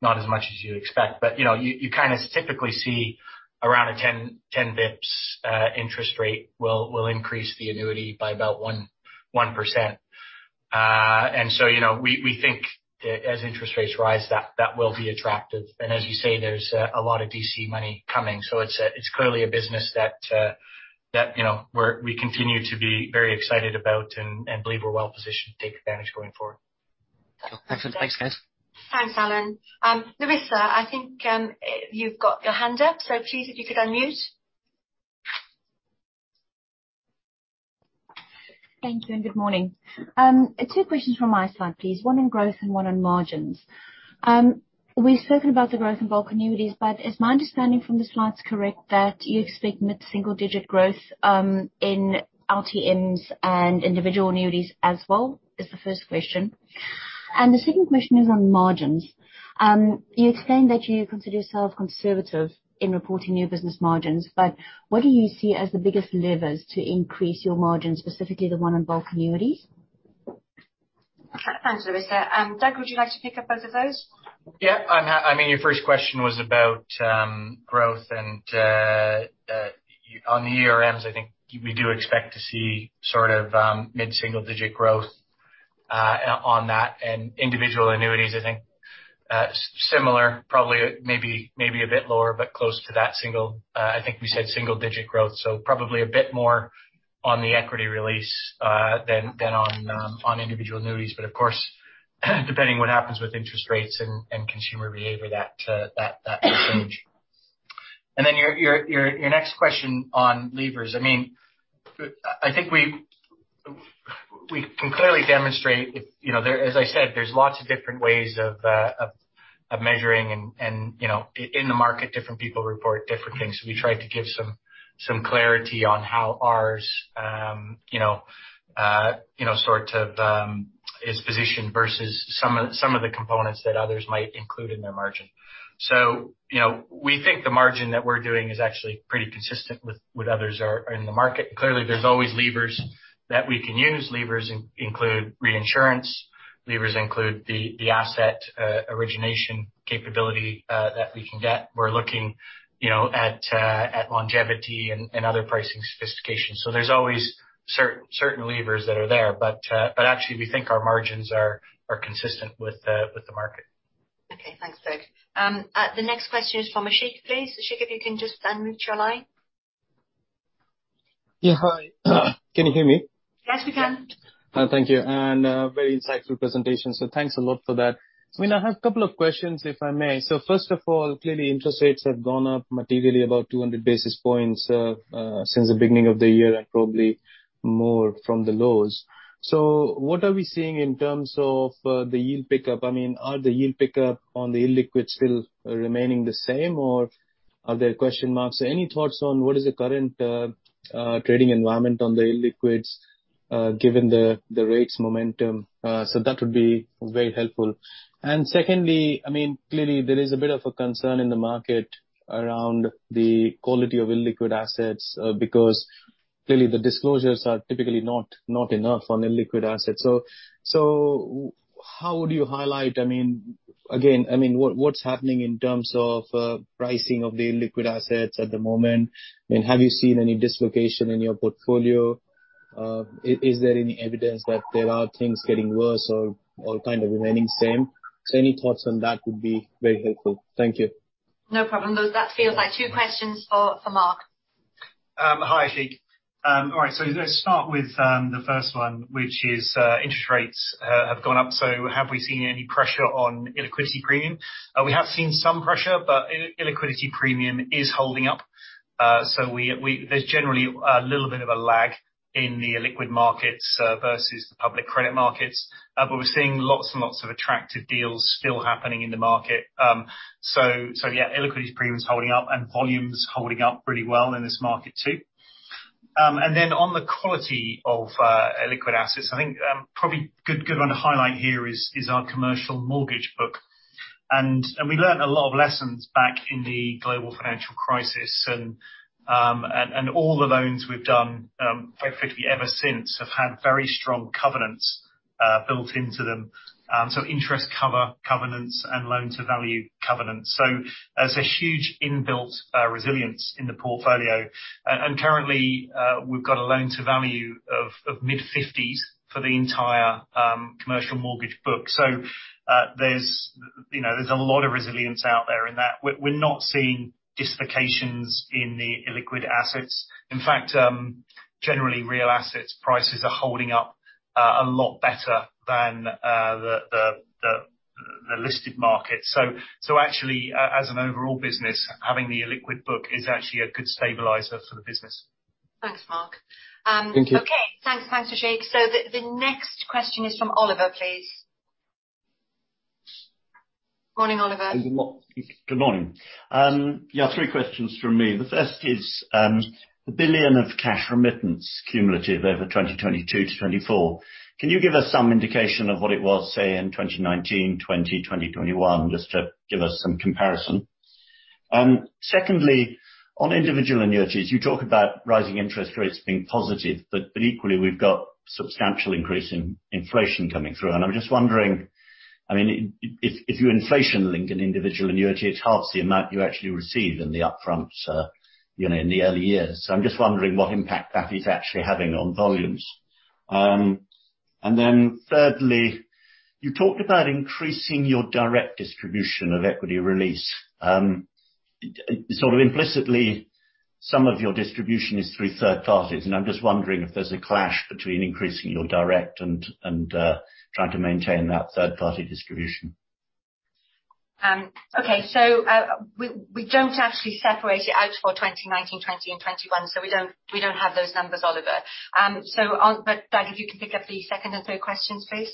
not as much as you'd expect. You know, you kinda typically see around 10 basis points interest rate will increase the annuity by about 1%. You know, we think that as interest rates rise, that will be attractive. As you say, there's a lot of DC money coming. It's clearly a business that, you know, we continue to be very excited about and believe we're well positioned to take advantage going forward. Excellent. Thanks, guys. Thanks, Alan. Larissa, I think, you've got your hand up, so please if you could unmute. Thank you, and good morning. Two questions from my side, please. One on growth and one on margins. We've spoken about the growth in bulk annuities, but is my understanding from the slides correct that you expect mid-single digit growth in our TMs and individual annuities as well? Is the first question. The second question is on margins. You explained that you consider yourself conservative in reporting new business margins, but what do you see as the biggest levers to increase your margins, specifically the one on bulk annuities? Thanks, Larissa. Doug, would you like to pick up both of those? Yeah. I mean, your first question was about growth and on the ERMs. I think we do expect to see sort of mid-single digit growth on that. Individual annuities, I think, similar, probably, maybe a bit lower, but close to that single. I think we said single digit growth. Probably a bit more on the equity release than on individual annuities. Of course, depending what happens with interest rates and consumer behavior that will change. Then your next question on levers. I mean, I think we can clearly demonstrate. You know, as I said, there's lots of different ways of measuring and, you know, in the market, different people report different things. We try to give some clarity on how ours you know you know sort of is positioned versus some of the components that others might include in their margin. You know, we think the margin that we're doing is actually pretty consistent with what others are in the market. Clearly, there's always levers that we can use. Levers include reinsurance. Levers include the asset origination capability that we can get. We're looking you know at longevity and other pricing sophistication. There's always certain levers that are there. Actually we think our margins are consistent with the market. Okay. Thanks, Doug. The next question is from Ashik, please. Ashik, if you can just unmute your line. Yeah. Hi. Can you hear me? Yes, we can. Thank you. Very insightful presentation, so thanks a lot for that. I mean, I have a couple of questions, if I may. First of all, clearly interest rates have gone up materially about 200 basis points since the beginning of the year and probably more from the lows. What are we seeing in terms of the yield pickup? I mean, are the yield pickup on the illiquid still remaining the same, or are there question marks? Any thoughts on what is the current trading environment on the illiquids given the rates momentum? That would be very helpful. Secondly, I mean, clearly there is a bit of a concern in the market around the quality of illiquid assets because clearly the disclosures are typically not enough on illiquid assets. How would you highlight, I mean. Again, I mean, what's happening in terms of pricing of the illiquid assets at the moment? I mean, have you seen any dislocation in your portfolio? Is there any evidence that there are things getting worse or kind of remaining same? Any thoughts on that would be very helpful. Thank you. No problem. That feels like two questions for Mark. Hi, Ashik. All right. Let's start with the first one, which is interest rates have gone up. Have we seen any pressure on illiquidity premium? We have seen some pressure, but illiquidity premium is holding up. There's generally a little bit of a lag in the illiquid markets versus the public credit markets. We're seeing lots and lots of attractive deals still happening in the market. Illiquidity premium is holding up and volumes holding up pretty well in this market too. On the quality of illiquid assets, I think probably good one to highlight here is our commercial mortgage book. We learned a lot of lessons back in the global financial crisis and all the loans we've done, quite frankly, ever since have had very strong covenants built into them. Interest cover covenants and loan-to-value covenants. There's a huge inbuilt resilience in the portfolio. Currently, we've got a loan-to-value of mid-fifties for the entire commercial mortgage book. There's, you know, a lot of resilience out there in that. We're not seeing dislocations in the illiquid assets. In fact, generally, real assets prices are holding up a lot better than the listed market. Actually, as an overall business, having the illiquid book is actually a good stabilizer for the business. Thanks, Mark. Thank you. Okay. Thanks. Thanks, Ashik. The next question is from Oliver, please. Morning, Oliver. Good morning. Three questions from me. The first is the 1 billion of cash remittance cumulative over 2022 to 2024. Can you give us some indication of what it was, say, in 2019, 2020, 2021, just to give us some comparison? Secondly, on individual annuities, you talk about rising interest rates being positive, but equally, we've got substantial increase in inflation coming through. I'm just wondering, if you inflation-link an individual annuity, it halves the amount you actually receive up front in the early years. So I'm just wondering what impact that is actually having on volumes. Then thirdly, you talked about increasing your direct distribution of equity release. Sort of implicitly, some of your distribution is through third parties, and I'm just wondering if there's a clash between increasing your direct and trying to maintain that third party distribution. We don't actually separate it out for 2019, 2020 and 2021, so we don't have those numbers, Oliver. Doug, if you can pick up the second and third questions, please.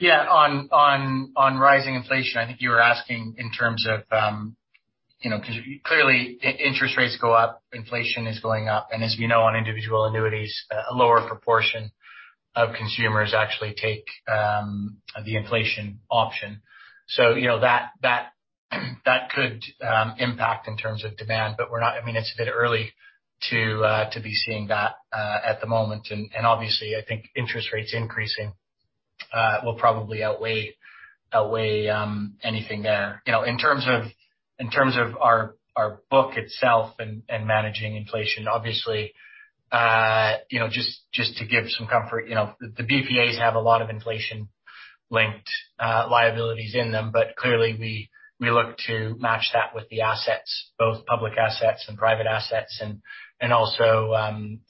Yeah. On rising inflation, I think you were asking in terms of, you know, 'cause clearly interest rates go up, inflation is going up, and as we know, on individual annuities, a lower proportion of consumers actually take the inflation option. So, you know, that could impact in terms of demand, but we're not, I mean, it's a bit early to be seeing that at the moment. Obviously, I think interest rates increasing will probably outweigh anything there. You know, in terms of our book itself and managing inflation, obviously you know just to give some comfort, you know the BPAs have a lot of inflation-linked liabilities in them, but clearly we look to match that with the assets, both public assets and private assets and also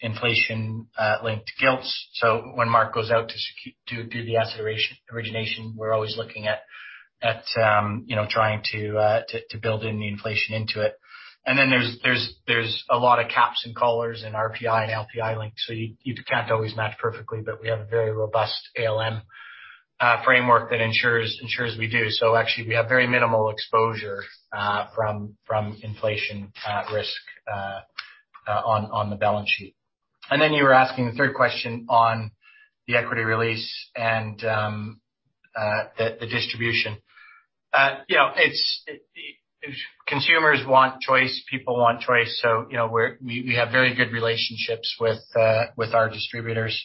inflation-linked gilts. When Mark goes out to do the asset origination, we're always looking at you know trying to build in the inflation into it. Then there's a lot of caps and collars and RPI and LPI links, so you can't always match perfectly, but we have a very robust ALM framework that ensures we do. Actually, we have very minimal exposure from inflation risk on the balance sheet. Then you were asking the third question on the equity release and the distribution. You know, consumers want choice, people want choice, so you know, we have very good relationships with our distributors.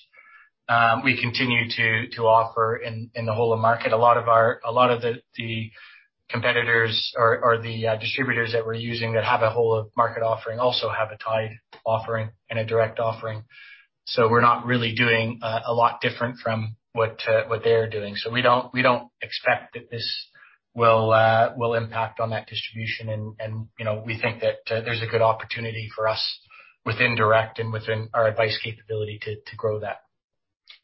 We continue to offer in the whole of market. A lot of the competitors or the distributors that we're using that have a whole of market offering also have a tied offering and a direct offering. We're not really doing a lot different from what they are doing. We don't expect that this will impact on that distribution. You know, we think that there's a good opportunity for us within direct and within our advice capability to grow that.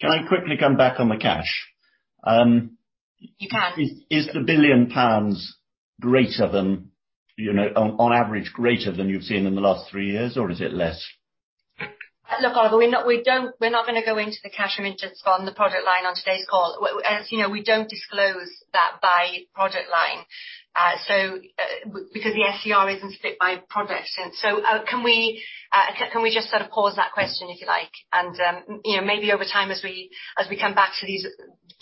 Can I quickly come back on the cash? You can. Is the 1 billion pounds greater than, you know, on average, greater than you've seen in the last three years, or is it less? Look Oliver, we're not gonna go into the cash remittance on the product line on today's call. As you know, we don't disclose that by product line, because the SCR isn't split by product. Can we just sort of pause that question if you like? You know, maybe over time, as we come back to these,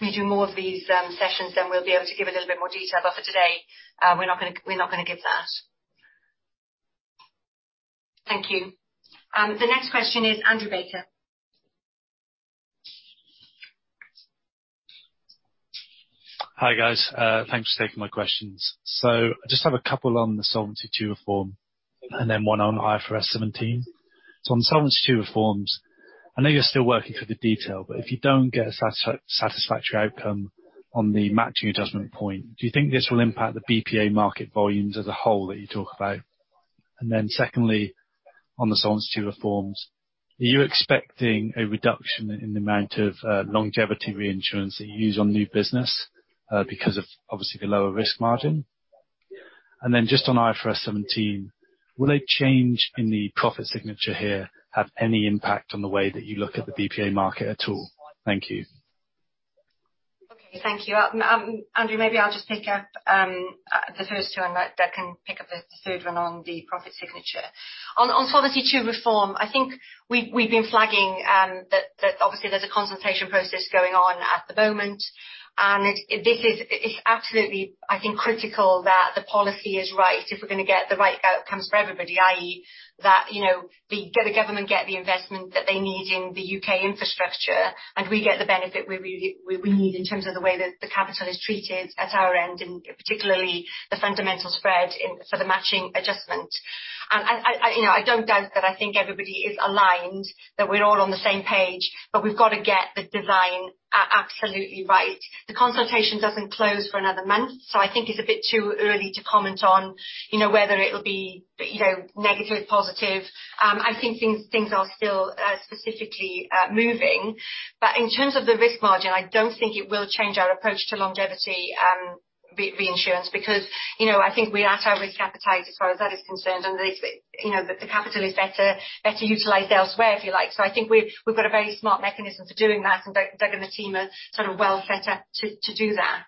we do more of these sessions, then we'll be able to give a little bit more detail. For today, we're not gonna give that. Thank you. The next question is Andrew Baker. Hi, guys. Thanks for taking my questions. I just have a couple on the Solvency II reform, and then one on IFRS 17. On Solvency II reforms, I know you're still working through the detail, but if you don't get a satisfactory outcome on the matching adjustment point, do you think this will impact the BPA market volumes as a whole that you talk about? Secondly, on the Solvency II reforms, are you expecting a reduction in the amount of longevity reinsurance that you use on new business because of obviously the lower risk margin? Just on IFRS 17, will a change in the profit signature here have any impact on the way that you look at the BPA market at all? Thank you. Okay. Thank you. Andrew, maybe I'll just pick up the first two, and Mark can pick up the third one on the profit signature. On Solvency II reform, I think we've been flagging that obviously there's a consultation process going on at the moment, and it's absolutely, I think, critical that the policy is right if we're gonna get the right outcomes for everybody, i.e., that, you know, the government get the investment that they need in the U.K. infrastructure, and we get the benefit we really need in terms of the way that the capital is treated at our end, and particularly the fundamental spread in, for the matching adjustment. I, you know, I don't doubt that I think everybody is aligned, that we're all on the same page, but we've got to get the design absolutely right. The consultation doesn't close for another month, so I think it's a bit too early to comment on, you know, whether it'll be, you know, negative, positive. I think things are still specifically moving. In terms of the risk margin, I don't think it will change our approach to longevity reinsurance, because, you know, I think we're at our risk appetite, as far as that is concerned, and it's, you know, the capital is better utilized elsewhere, if you like. I think we've got a very smart mechanism for doing that, and Doug and the team are sort of well set up to do that.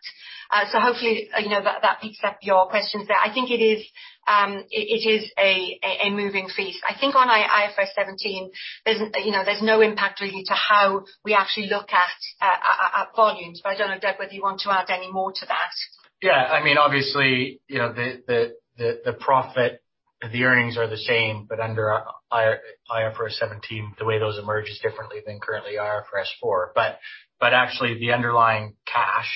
Hopefully, you know, that picks up your questions there. I think it is a moving feast. I think on IFRS 17, there's no impact really to how we actually look at volumes. I don't know, Doug, whether you want to add any more to that. Yeah. I mean obviously, you know, the profit, the earnings are the same, but under IFRS 17, the way those emerge is differently than currently IFRS 4. Actually the underlying cash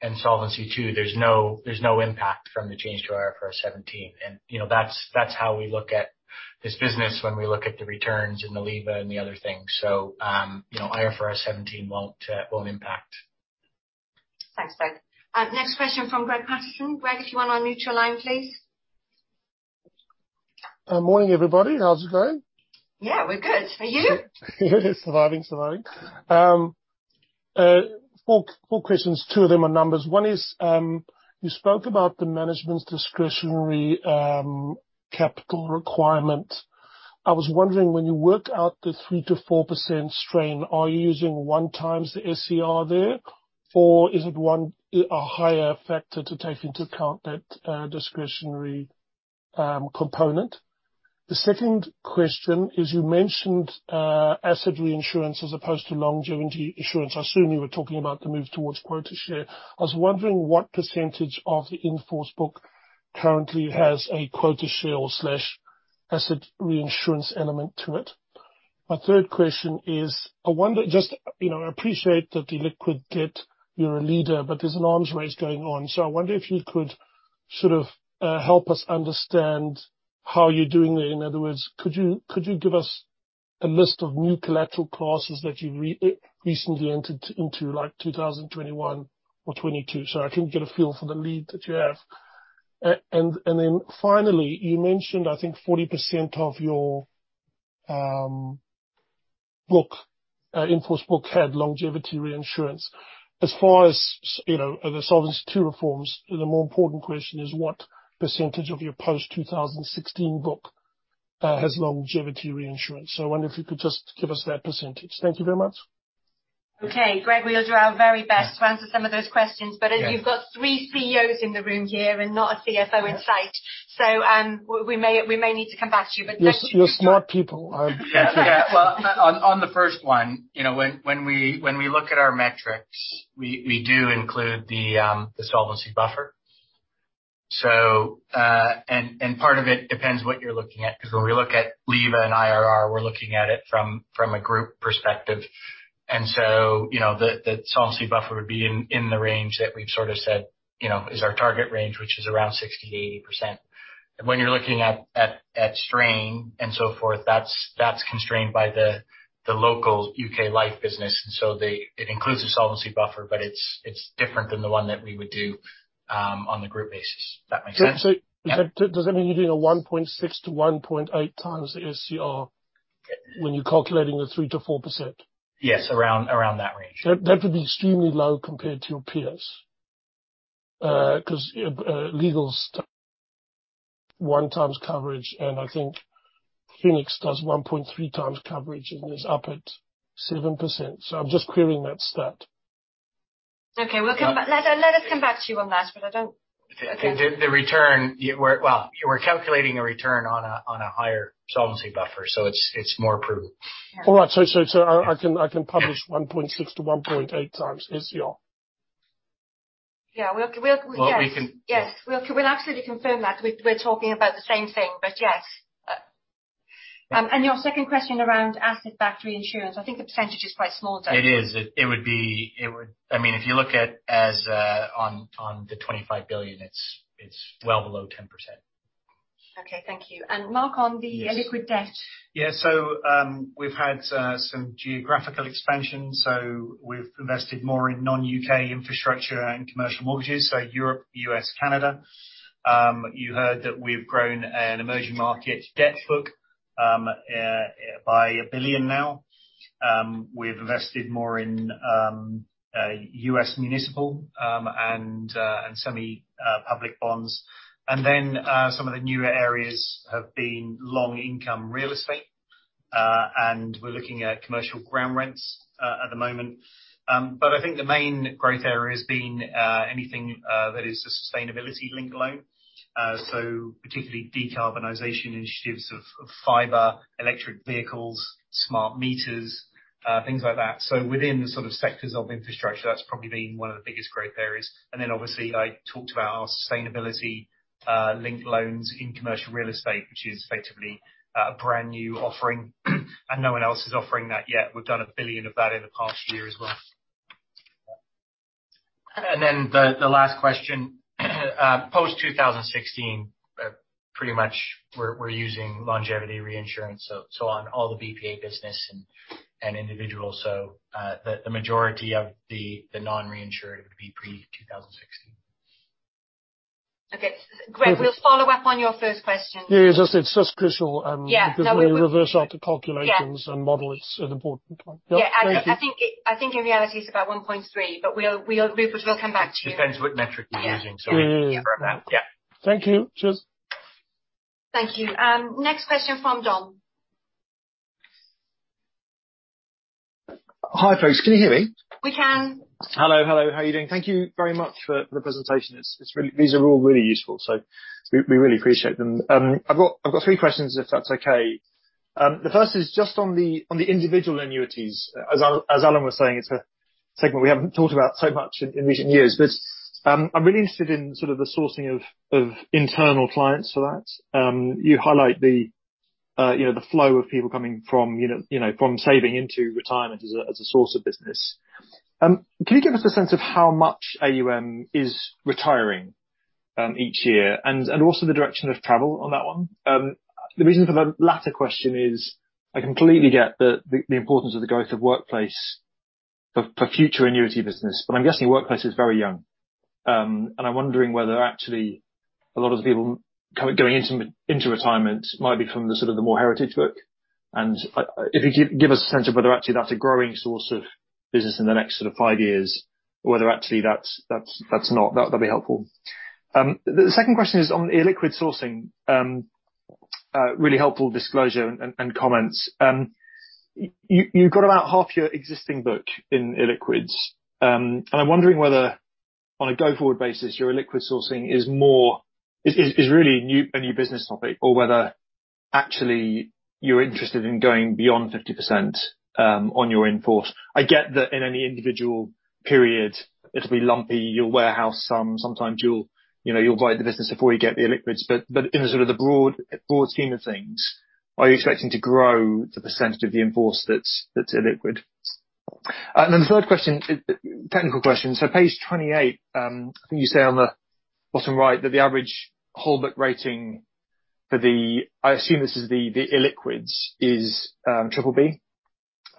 and solvency too, there's no impact from the change to IFRS 17. You know, that's how we look at this business when we look at the returns and the LEVA and the other things. You know, IFRS 17 won't impact. Thanks, Doug. Next question from Greg Hutchinson. Greg, if you wanna unmute your line, please. Morning, everybody. How's it going? Yeah, we're good. You? Four questions, two of them are numbers. One is, you spoke about the management's discretionary capital requirement. I was wondering, when you work out the 3%-4% strain, are you using 1 times the SCR there, or is it a higher factor to take into account that discretionary component? The second question is you mentioned asset reinsurance as opposed to longevity insurance. I assume you were talking about the move towards quota share. I was wondering what percentage of the in-force book currently has a quota share asset reinsurance element to it. My third question is, I wonder, just, you know, I appreciate that illiquid debt, you're a leader, but there's an arms race going on. I wonder if you could sort of help us understand how you're doing there. In other words, could you give us a list of new collateral classes that you recently entered into, like 2021 or 2022, so I can get a feel for the lead that you have? Then finally, you mentioned, I think 40% of your book in-force book had longevity reinsurance. As far as, you know, the Solvency II reforms, the more important question is, what percentage of your post-2016 book has longevity reinsurance? I wonder if you could just give us that percentage. Thank you very much. Okay. Greg, we'll do our very best to answer some of those questions. Yeah. As you've got three CEOs in the room here and not a CFO in sight. We may need to come back to you. Thank you. You're smart people. Yeah. Well, on the first one, you know, when we look at our metrics, we do include the solvency buffer. Part of it depends what you're looking at, 'cause when we look at LEVA and IRR, we're looking at it from a group perspective. You know, the solvency buffer would be in the range that we've sort of said, you know, is our target range, which is around 60%-80%. When you're looking at strain and so forth, that's constrained by the local UK Life business. It includes the solvency buffer, but it's different than the one that we would do on the group basis, if that makes sense. Does that mean you're doing a 1.6-1.8 times the SCR when you're calculating the 3%-4%? Yes. Around that range. That would be extremely low compared to your peers. 'Cause Legal's 1x coverage, and I think Phoenix does 1.3x coverage, and is up at 7%. I'm just querying that stat. Okay. We'll come back. Yeah. Let us come back to you on that, but I don't - The return. Well, you were calculating a return on a higher solvency buffer, so it's more prudent. Yeah. All right. I can publish 1.6-1.8 times SCR. Yeah. We'll. Yes. Well, we can - Yes. We'll absolutely confirm that we're talking about the same thing. Yes. Your second question around asset-backed reinsurance, I think the percentage is quite small, Doug. It is. It would be - I mean, if you look at assets on the 25 billion, it's well below 10%. Okay, thank you. Mark on the Illiquid debt. Yeah. We've had some geographical expansion, so we've invested more in non-UK infrastructure and commercial mortgages, so Europe, U.S., Canada. You heard that we've grown an emerging markets debt book by 1 billion now. We've invested more in U.S. municipal and semi public bonds. Some of the newer areas have been long income real estate, and we're looking at commercial ground rents at the moment. I think the main growth area has been anything that is a sustainability-linked loan, so particularly decarbonization initiatives of fiber, electric vehicles, smart meters, things like that. Within the sort of sectors of infrastructure, that's probably been one of the biggest growth areas. Obviously, I talked about our sustainability-linked loans in commercial real estate, which is effectively a brand-new offering, and no one else is offering that yet. We've done 1 billion of that in the past year as well. The last question. Post 2016, pretty much we're using longevity reinsurance, so on all the BPA business and individuals. The majority of the non-reinsured would be pre-2016. Okay. Greg, we'll follow up on your first question. Yeah, it's just crucial. Yeah. Because when we reverse out the calculations and model it, it's an important point. Yeah. Thank you. Yeah. I think in reality it's about 1.3, but we'll come back to you. Depends what metric you're using. Yeah. It is. Yeah. Yeah. Thank you. Cheers. Thank you. Next question from Dom. Hi, folks. Can you hear me? We can. Hello, hello. How are you doing? Thank you very much for the presentation. It's really. These are all really useful, so we really appreciate them. I've got three questions if that's okay. The first is just on the individual annuities. As Alan was saying, it's a segment we haven't talked about so much in recent years. I'm really interested in sort of the sourcing of internal clients for that. You highlight the, you know, the flow of people coming from, you know, from saving into retirement as a source of business. Can you give us a sense of how much AUM is retiring each year and also the direction of travel on that one? The reason for the latter question is I completely get the importance of the growth of workplace for future annuity business, but I'm guessing workplace is very young. I'm wondering whether actually a lot of the people kind of going into retirement might be from the sort of the more heritage book. If you give us a sense of whether actually that's a growing source of business in the next sort of five years, or whether actually that's not, that'd be helpful. The second question is on illiquid sourcing. Really helpful disclosure and comments. You've got about half your existing book in illiquids, and I'm wondering whether on a go-forward basis, your illiquid sourcing is more. Is really a new business topic or whether actually you're interested in going beyond 50% on your in-force. I get that in any individual period it'll be lumpy. You'll warehouse some. Sometimes you'll, you know, write the business before you get the illiquids. In the sort of the broad scheme of things, are you expecting to grow the percentage of the in-force that's illiquid? Then the third question, technical question. Page 28, I think you say on the bottom right that the average whole book rating for the illiquids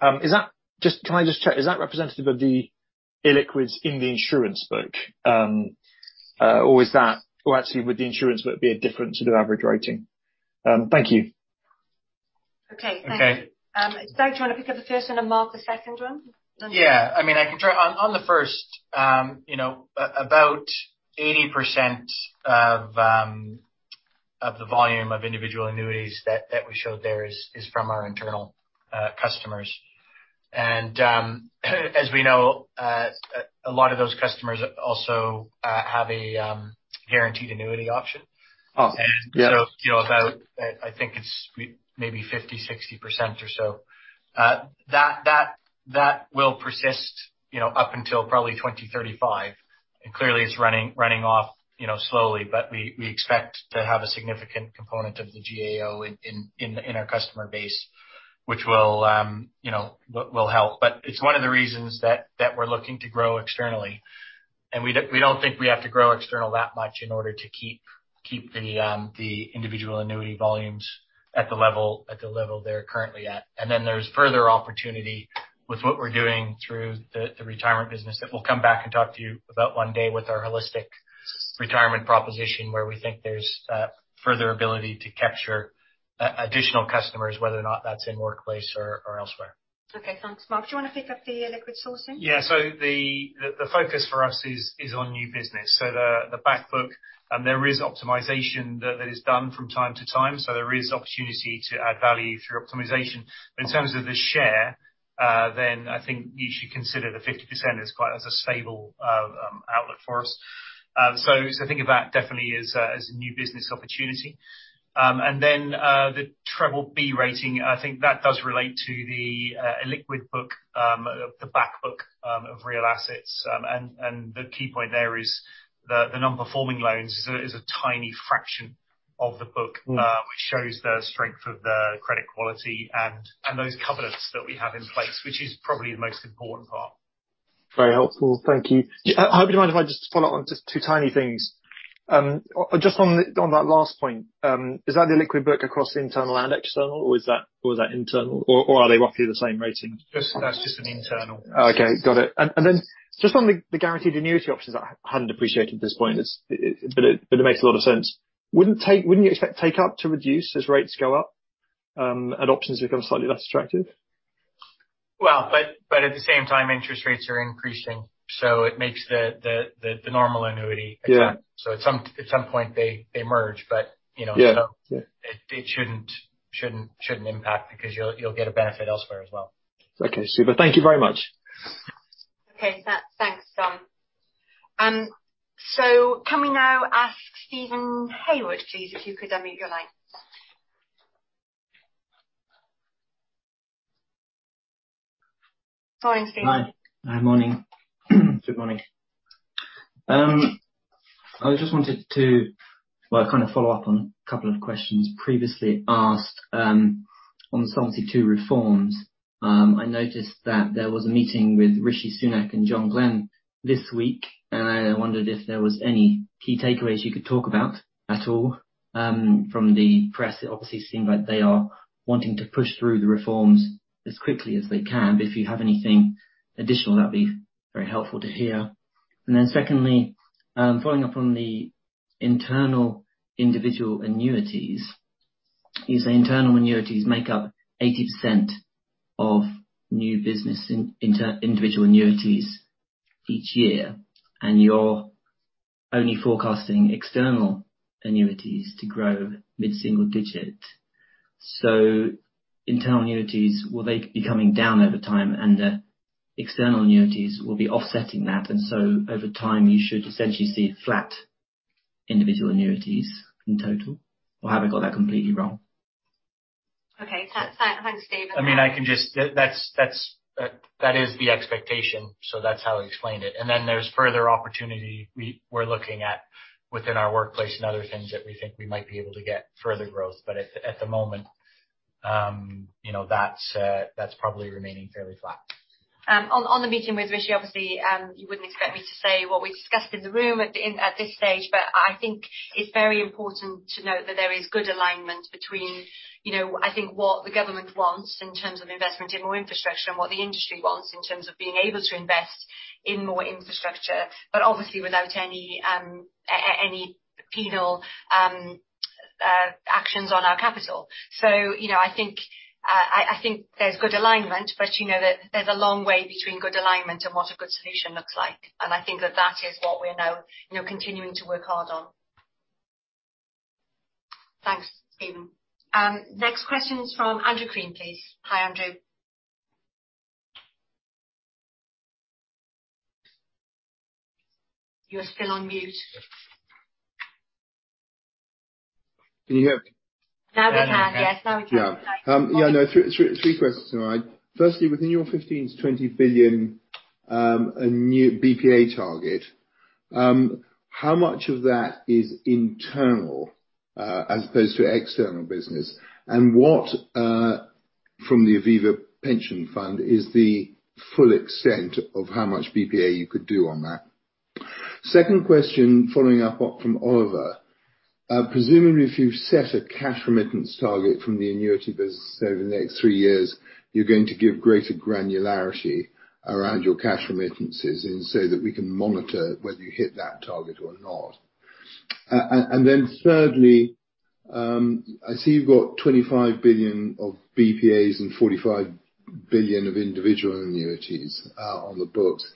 is triple B. Can I just check, is that representative of the illiquids in the insurance book? Or actually would the insurance book be a different sort of average rating? Thank you. Okay. Thank you. Okay. Doug, do you wanna pick up the first one and Mark, the second one? Yeah. I mean, I can try. On the first, you know, about 80% of the volume of individual annuities that we showed there is from our internal customers. As we know, a lot of those customers also have a Guaranteed Annuity Option. Oh, yeah. You know, about I think it's maybe 50%-60% or so. That will persist, you know, up until probably 2035. Clearly it's running off, you know, slowly. We expect to have a significant component of the GAO in our customer base, which will help. It's one of the reasons that we're looking to grow externally. We don't think we have to grow externally that much in order to keep the individual annuity volumes at the level they're currently at. Then there's further opportunity with what we're doing through the retirement business that we'll come back and talk to you about one day with our holistic retirement proposition, where we think there's further ability to capture additional customers, whether or not that's in workplace or elsewhere. Okay. Thanks. Mark, do you wanna pick up the illiquid sourcing? Yeah. The focus for us is on new business. The back book, there is optimization that is done from time to time. There is opportunity to add value through optimization. In terms of the share, then I think you should consider the 50% as quite a stable outlet for us. Think of that definitely as a new business opportunity. The triple-B rating, I think that does relate to the illiquid book, the back book, of real assets. The key point there is the non-performing loans is a tiny fraction of the book which shows the strength of the credit quality and those covenants that we have in place, which is probably the most important part. Very helpful. Thank you. I hope you don't mind if I just follow up on just two tiny things. Just on that last point, is that illiquid book across the internal and external, or is that internal, or are they roughly the same rating? That's just an internal. Okay. Got it. Then just on the guaranteed annuity options, I hadn't appreciated this point, it's. It makes a lot of sense. Wouldn't you expect take-up to reduce as rates go up, and options become slightly less attractive? Well, at the same time, interest rates are increasing, so it makes the normal annuity. Yeah. At some point they merge, but you know - Yeah. It shouldn't impact because you'll get a benefit elsewhere as well. Okay. Super. Thank you very much. Okay. Thanks, Dom. Can we now ask Steven Haywood, please, if you could unmute your line. Go ahead, Steven. Hi. Hi, morning. Good morning. I just wanted to, well, kind of follow up on a couple of questions previously asked, on Solvency II reforms. I noticed that there was a meeting with Rishi Sunak and John Glen this week, and I wondered if there was any key takeaways you could talk about. After all, from the press, it obviously seemed like they are wanting to push through the reforms as quickly as they can. If you have anything additional, that'd be very helpful to hear. Secondly, following up on individual annuities. You say internal annuities make up 80% of new business in individual annuities each year, and you're only forecasting external annuities to grow mid-single digit. Internal annuities, will they be coming down over time and the external annuities will be offsetting that? Over time, you should essentially see flat individual annuities in total? Or have I got that completely wrong? Okay. Thanks, Doug - I mean, that's the expectation, so that's how I explained it. Then there's further opportunity we're looking at within our workplace and other things that we think we might be able to get further growth. At the moment, you know, that's probably remaining fairly flat. On the meeting with Rishi, obviously, you wouldn't expect me to say what we discussed in the room at this stage, but I think it's very important to note that there is good alignment between, you know, I think what the government wants in terms of investment in more infrastructure and what the industry wants in terms of being able to invest in more infrastructure, but obviously without any penal actions on our capital. You know, I think there's good alignment, but, you know, there's a long way between good alignment and what a good solution looks like. I think that is what we're now, you know, continuing to work hard on. Thanks, Steven. Next question is from Andrew Crean, please. Hi, Andrew. You are still on mute. Can you hear? Now we can. Now we can. Yes, now we can. Yeah. Yeah, no. Three questions tonight. Firstly, within your 15-20 billion new BPA target, how much of that is internal as opposed to external business? And what from the Aviva pension fund is the full extent of how much BPA you could do on that? Second question, following up on from Oliver. Presumably, if you've set a cash remittance target from the annuity business over the next three years, you're going to give greater granularity around your cash remittances so that we can monitor whether you hit that target or not. And then thirdly, I see you've got 25 billion of BPAs and 45 billion of individual annuities on the books.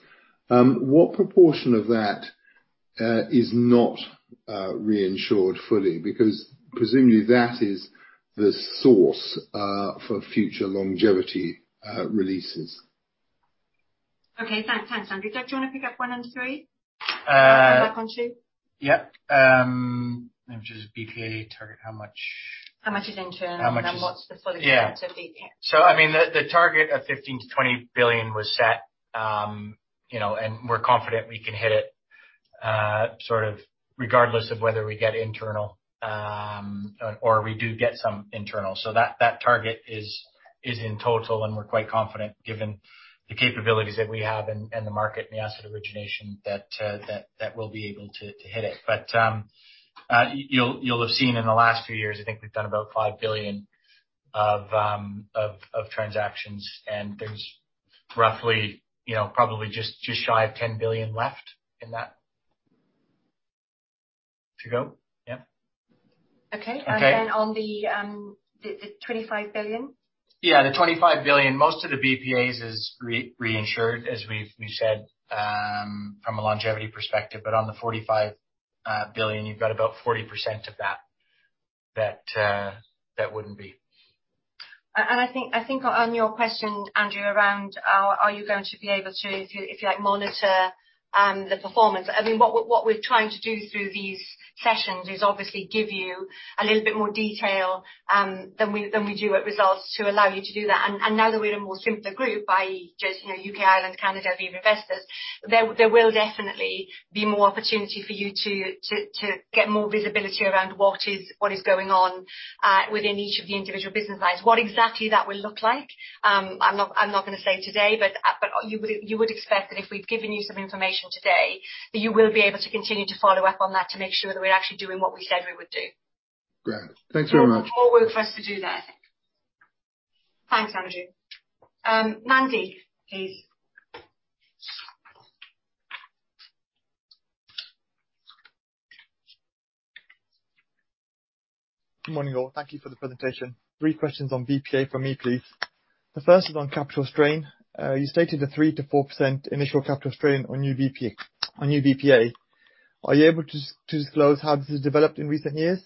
What proportion of that is not reinsured fully? Because presumably that is the source for future longevity releases. Okay. Thanks, Andrew. Doug, do you wanna pick up one and three? I'll come back on two. BPA target, how much? How much is internal, what's the full extent of - yeah. Yeah. I mean, the target of 15 billion-20 billion was set, you know, and we're confident we can hit it, sort of regardless of whether we get internal or we do get some internal. That target is in total, and we're quite confident given the capabilities that we have and the market and the asset origination that we'll be able to hit it. You'll have seen in the last few years, I think we've done about 5 billion of transactions, and there's roughly, you know, probably just shy of 10 billion left in that to go. Yeah. Okay. Okay. On the 25 billion? Yeah, the 25 billion. Most of the BPAs is reinsured, as we've said, from a longevity perspective. On the 45 billion, you've got about 40% of that that wouldn't be. I think on your question, Andrew, around, are you going to be able to, if you like, monitor the performance. I mean what we're trying to do through these sessions is obviously give you a little bit more detail than we do at results to allow you to do that. Now that we're a more simpler group by just, you know, U.K., Ireland, Canada, Aviva Investors, there will definitely be more opportunity for you to get more visibility around what is going on within each of the individual business lines. What exactly that will look like, I'm not gonna say today, but you would expect that if we've given you some information today, that you will be able to continue to follow up on that to make sure that we're actually doing what we said we would do. Great. Thanks very much. More work for us to do there. Thanks, Andrew. Angzi, please. Good morning, all. Thank you for the presentation. Three questions on BPA for me, please. The first is on capital strain. You stated a 3%-4% initial capital strain on new BPA. Are you able to disclose how this has developed in recent years?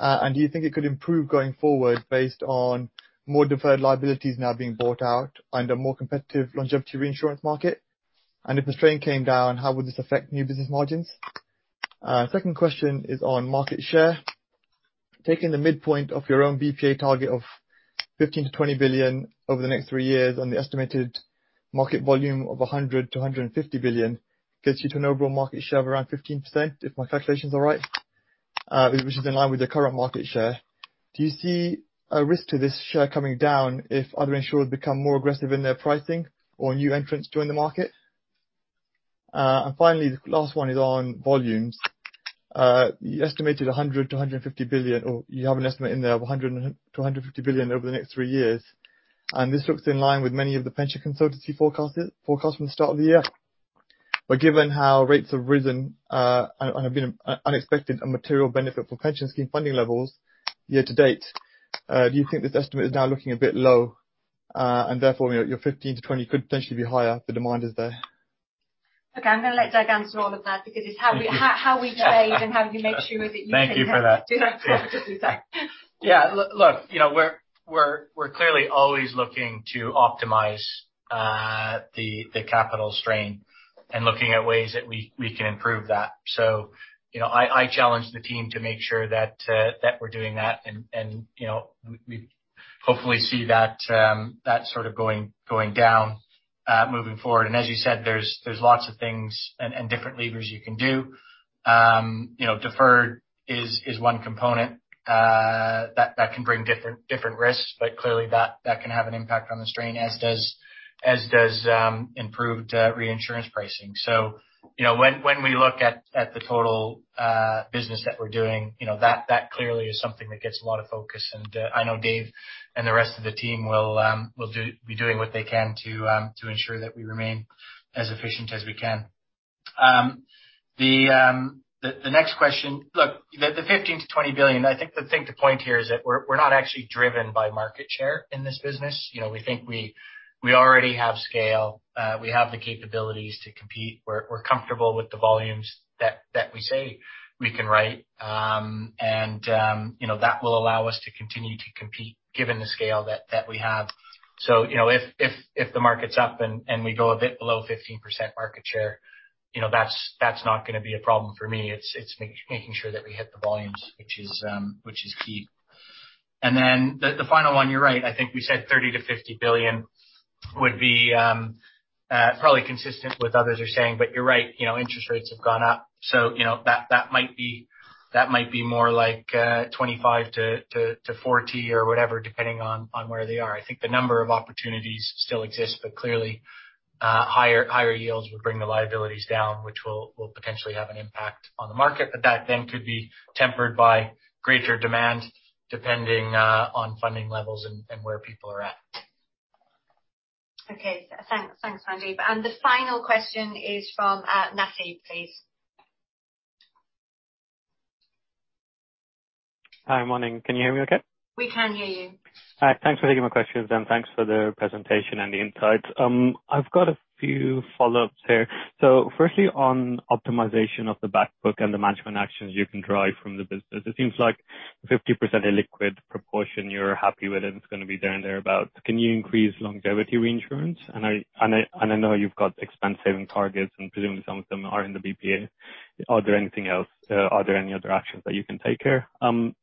Do you think it could improve going forward based on more deferred liabilities now being bought out under more competitive longevity reinsurance market? If the strain came down, how would this affect new business margins? Second question is on market share. Taking the midpoint of your own BPA target of 15 billion-20 billion over the next three years and the estimated market volume of 100 billion-150 billion, gets you to an overall market share of around 15%, if my calculations are right, which is in line with your current market share. Do you see a risk to this share coming down if other insurers become more aggressive in their pricing or new entrants join the market? Finally, the last one is on volumes. You estimated 100-150 billion, or you have an estimate in there of 100-150 billion over the next three years, and this looks in line with many of the pension consultancy forecast from the start of the year. Given how rates have risen, and have been unexpected and material benefit for pension scheme funding levels year to date, do you think this estimate is now looking a bit low, and therefore, you know, your 15-20 could potentially be higher if the demand is there? Okay. I'm gonna let Doug Brown answer all of that because it's how we behave and how we make sure that you. Thank you for that. Do that. Yeah. Look, you know, we're clearly always looking to optimize the capital strain and looking at ways that we can improve that. You know, I challenge the team to make sure that we're doing that. You know, we hopefully see that sort of going down moving forward. As you said, there's lots of things and different levers you can do. You know, deferred is one component that can bring different risks. Clearly that can have an impact on the strain, as does improved reinsurance pricing. You know, when we look at the total business that we're doing, you know, that clearly is something that gets a lot of focus. I know Dave and the rest of the team will be doing what they can to ensure that we remain as efficient as we can. The next question. Look, the 15 billion-20 billion, I think the thing to point here is that we're not actually driven by market share in this business. You know, we think we already have scale. We have the capabilities to compete. We're comfortable with the volumes that we say we can write. You know, that will allow us to continue to compete given the scale that we have. You know, if the market's up and we go a bit below 15% market share, you know, that's not gonna be a problem for me. It's making sure that we hit the volumes, which is key. The final one, you're right. I think we said 30 billion-50 billion would be probably consistent with others are saying. You're right, you know, interest rates have gone up. You know, that might be more like 25 billion-40 billion or whatever, depending on where they are. I think the number of opportunities still exist, but clearly higher yields would bring the liabilities down, which will potentially have an impact on the market. That then could be tempered by greater demand, depending on funding levels and where people are at. Okay. Thanks. Thanks, Angzi. The final question is from Nasib, please. Hi. Morning. Can you hear me okay? We can hear you. Thanks for taking my questions and thanks for the presentation and the insights. I've got a few follow-ups here. Firstly, on optimization of the back book and the management actions you can drive from the business, it seems like 50% illiquid proportion you're happy with and it's gonna be there or thereabouts. Can you increase longevity reinsurance? I know you've got expense saving targets, and presumably some of them are in the BPA. Are there anything else? Are there any other actions that you can take here? On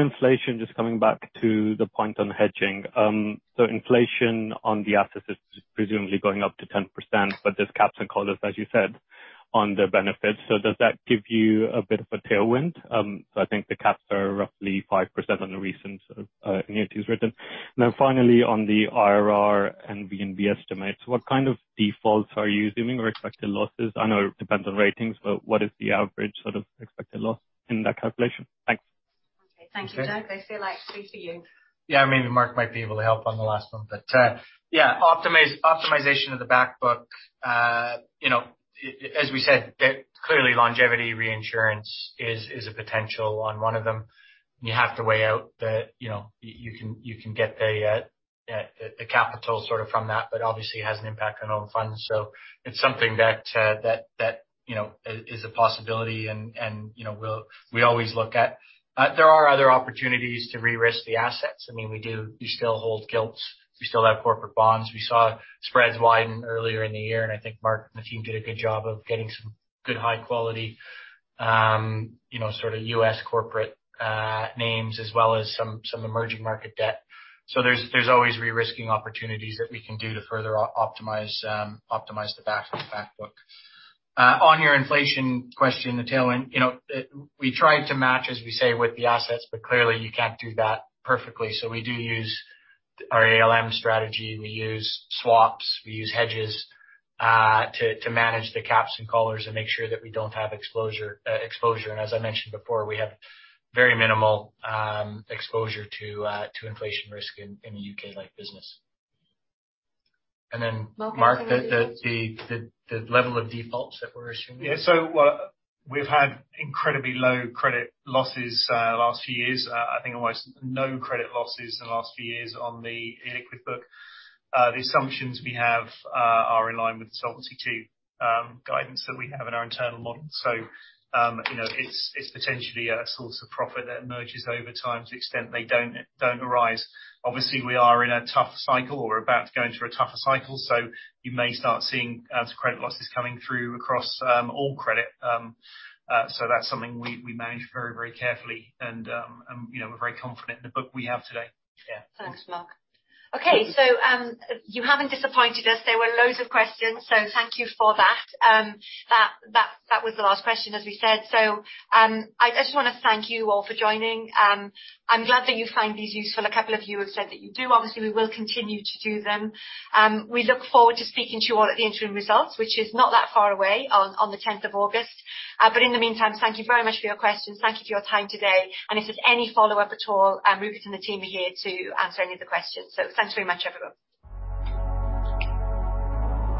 inflation, just coming back to the point on hedging. Inflation on the assets is presumably going up to 10%, but there's caps and collars, as you said, on the benefits. Does that give you a bit of a tailwind? I think the caps are roughly 5% on the recent annuities written. Finally, on the IRR and VNB estimates, what kind of defaults are you assuming or expected losses? I know it depends on ratings, but what is the average sort of expected loss in that calculation? Thanks. Okay. Thank you, Doug Brown. They feel like three for you. Yeah. Maybe Mark might be able to help on the last one. Yeah, optimization of the back book, you know, as we said, that clearly longevity reinsurance is a potential on one of them. You have to weigh up the, you know, you can get the capital sort of from that, but obviously it has an impact on all the funds. It's something that, you know, is a possibility and, you know, we'll always look at. There are other opportunities to re-risk the assets. I mean, we do still hold gilts. We still have corporate bonds. We saw spreads widen earlier in the year, and I think Mark Versey and the team did a good job of getting some good high quality, you know, sort of U.S. corporate names as well as some emerging market debt. There's always re-risking opportunities that we can do to further optimize the back book. On your inflation question, the tailwind, you know, we try to match, as we say, with the assets, but clearly you can't do that perfectly. We do use our ALM strategy. We use swaps. We use hedges to manage the caps and collars and make sure that we don't have exposure. As I mentioned before, we have very minimal exposure to inflation risk in the U.K. life business. Then Mark Versey- Mark, do you wanna do this? The level of defaults that we're assuming. Yeah. We've had incredibly low credit losses last few years. I think almost no credit losses in the last few years on the illiquid book. The assumptions we have are in line with Solvency II guidance that we have in our internal model. You know, it's potentially a source of profit that emerges over time to the extent they don't arise. Obviously, we are in a tough cycle. We're about to go into a tougher cycle, you may start seeing some credit losses coming through across all credit. That's something we manage very, very carefully, and you know, we're very confident in the book we have today. Yeah. Thanks, Mark. Okay. You haven't disappointed us. There were loads of questions, so thank you for that. That was the last question, as we said. I just wanna thank you all for joining. I'm glad that you find these useful. A couple of you have said that you do. Obviously, we will continue to do them. We look forward to speaking to you all at the interim results, which is not that far away on the tenth of August. In the meantime, thank you very much for your questions. Thank you for your time today. If there's any follow-up at all, Rupert and the team are here to answer any of the questions. Thanks very much, everyone.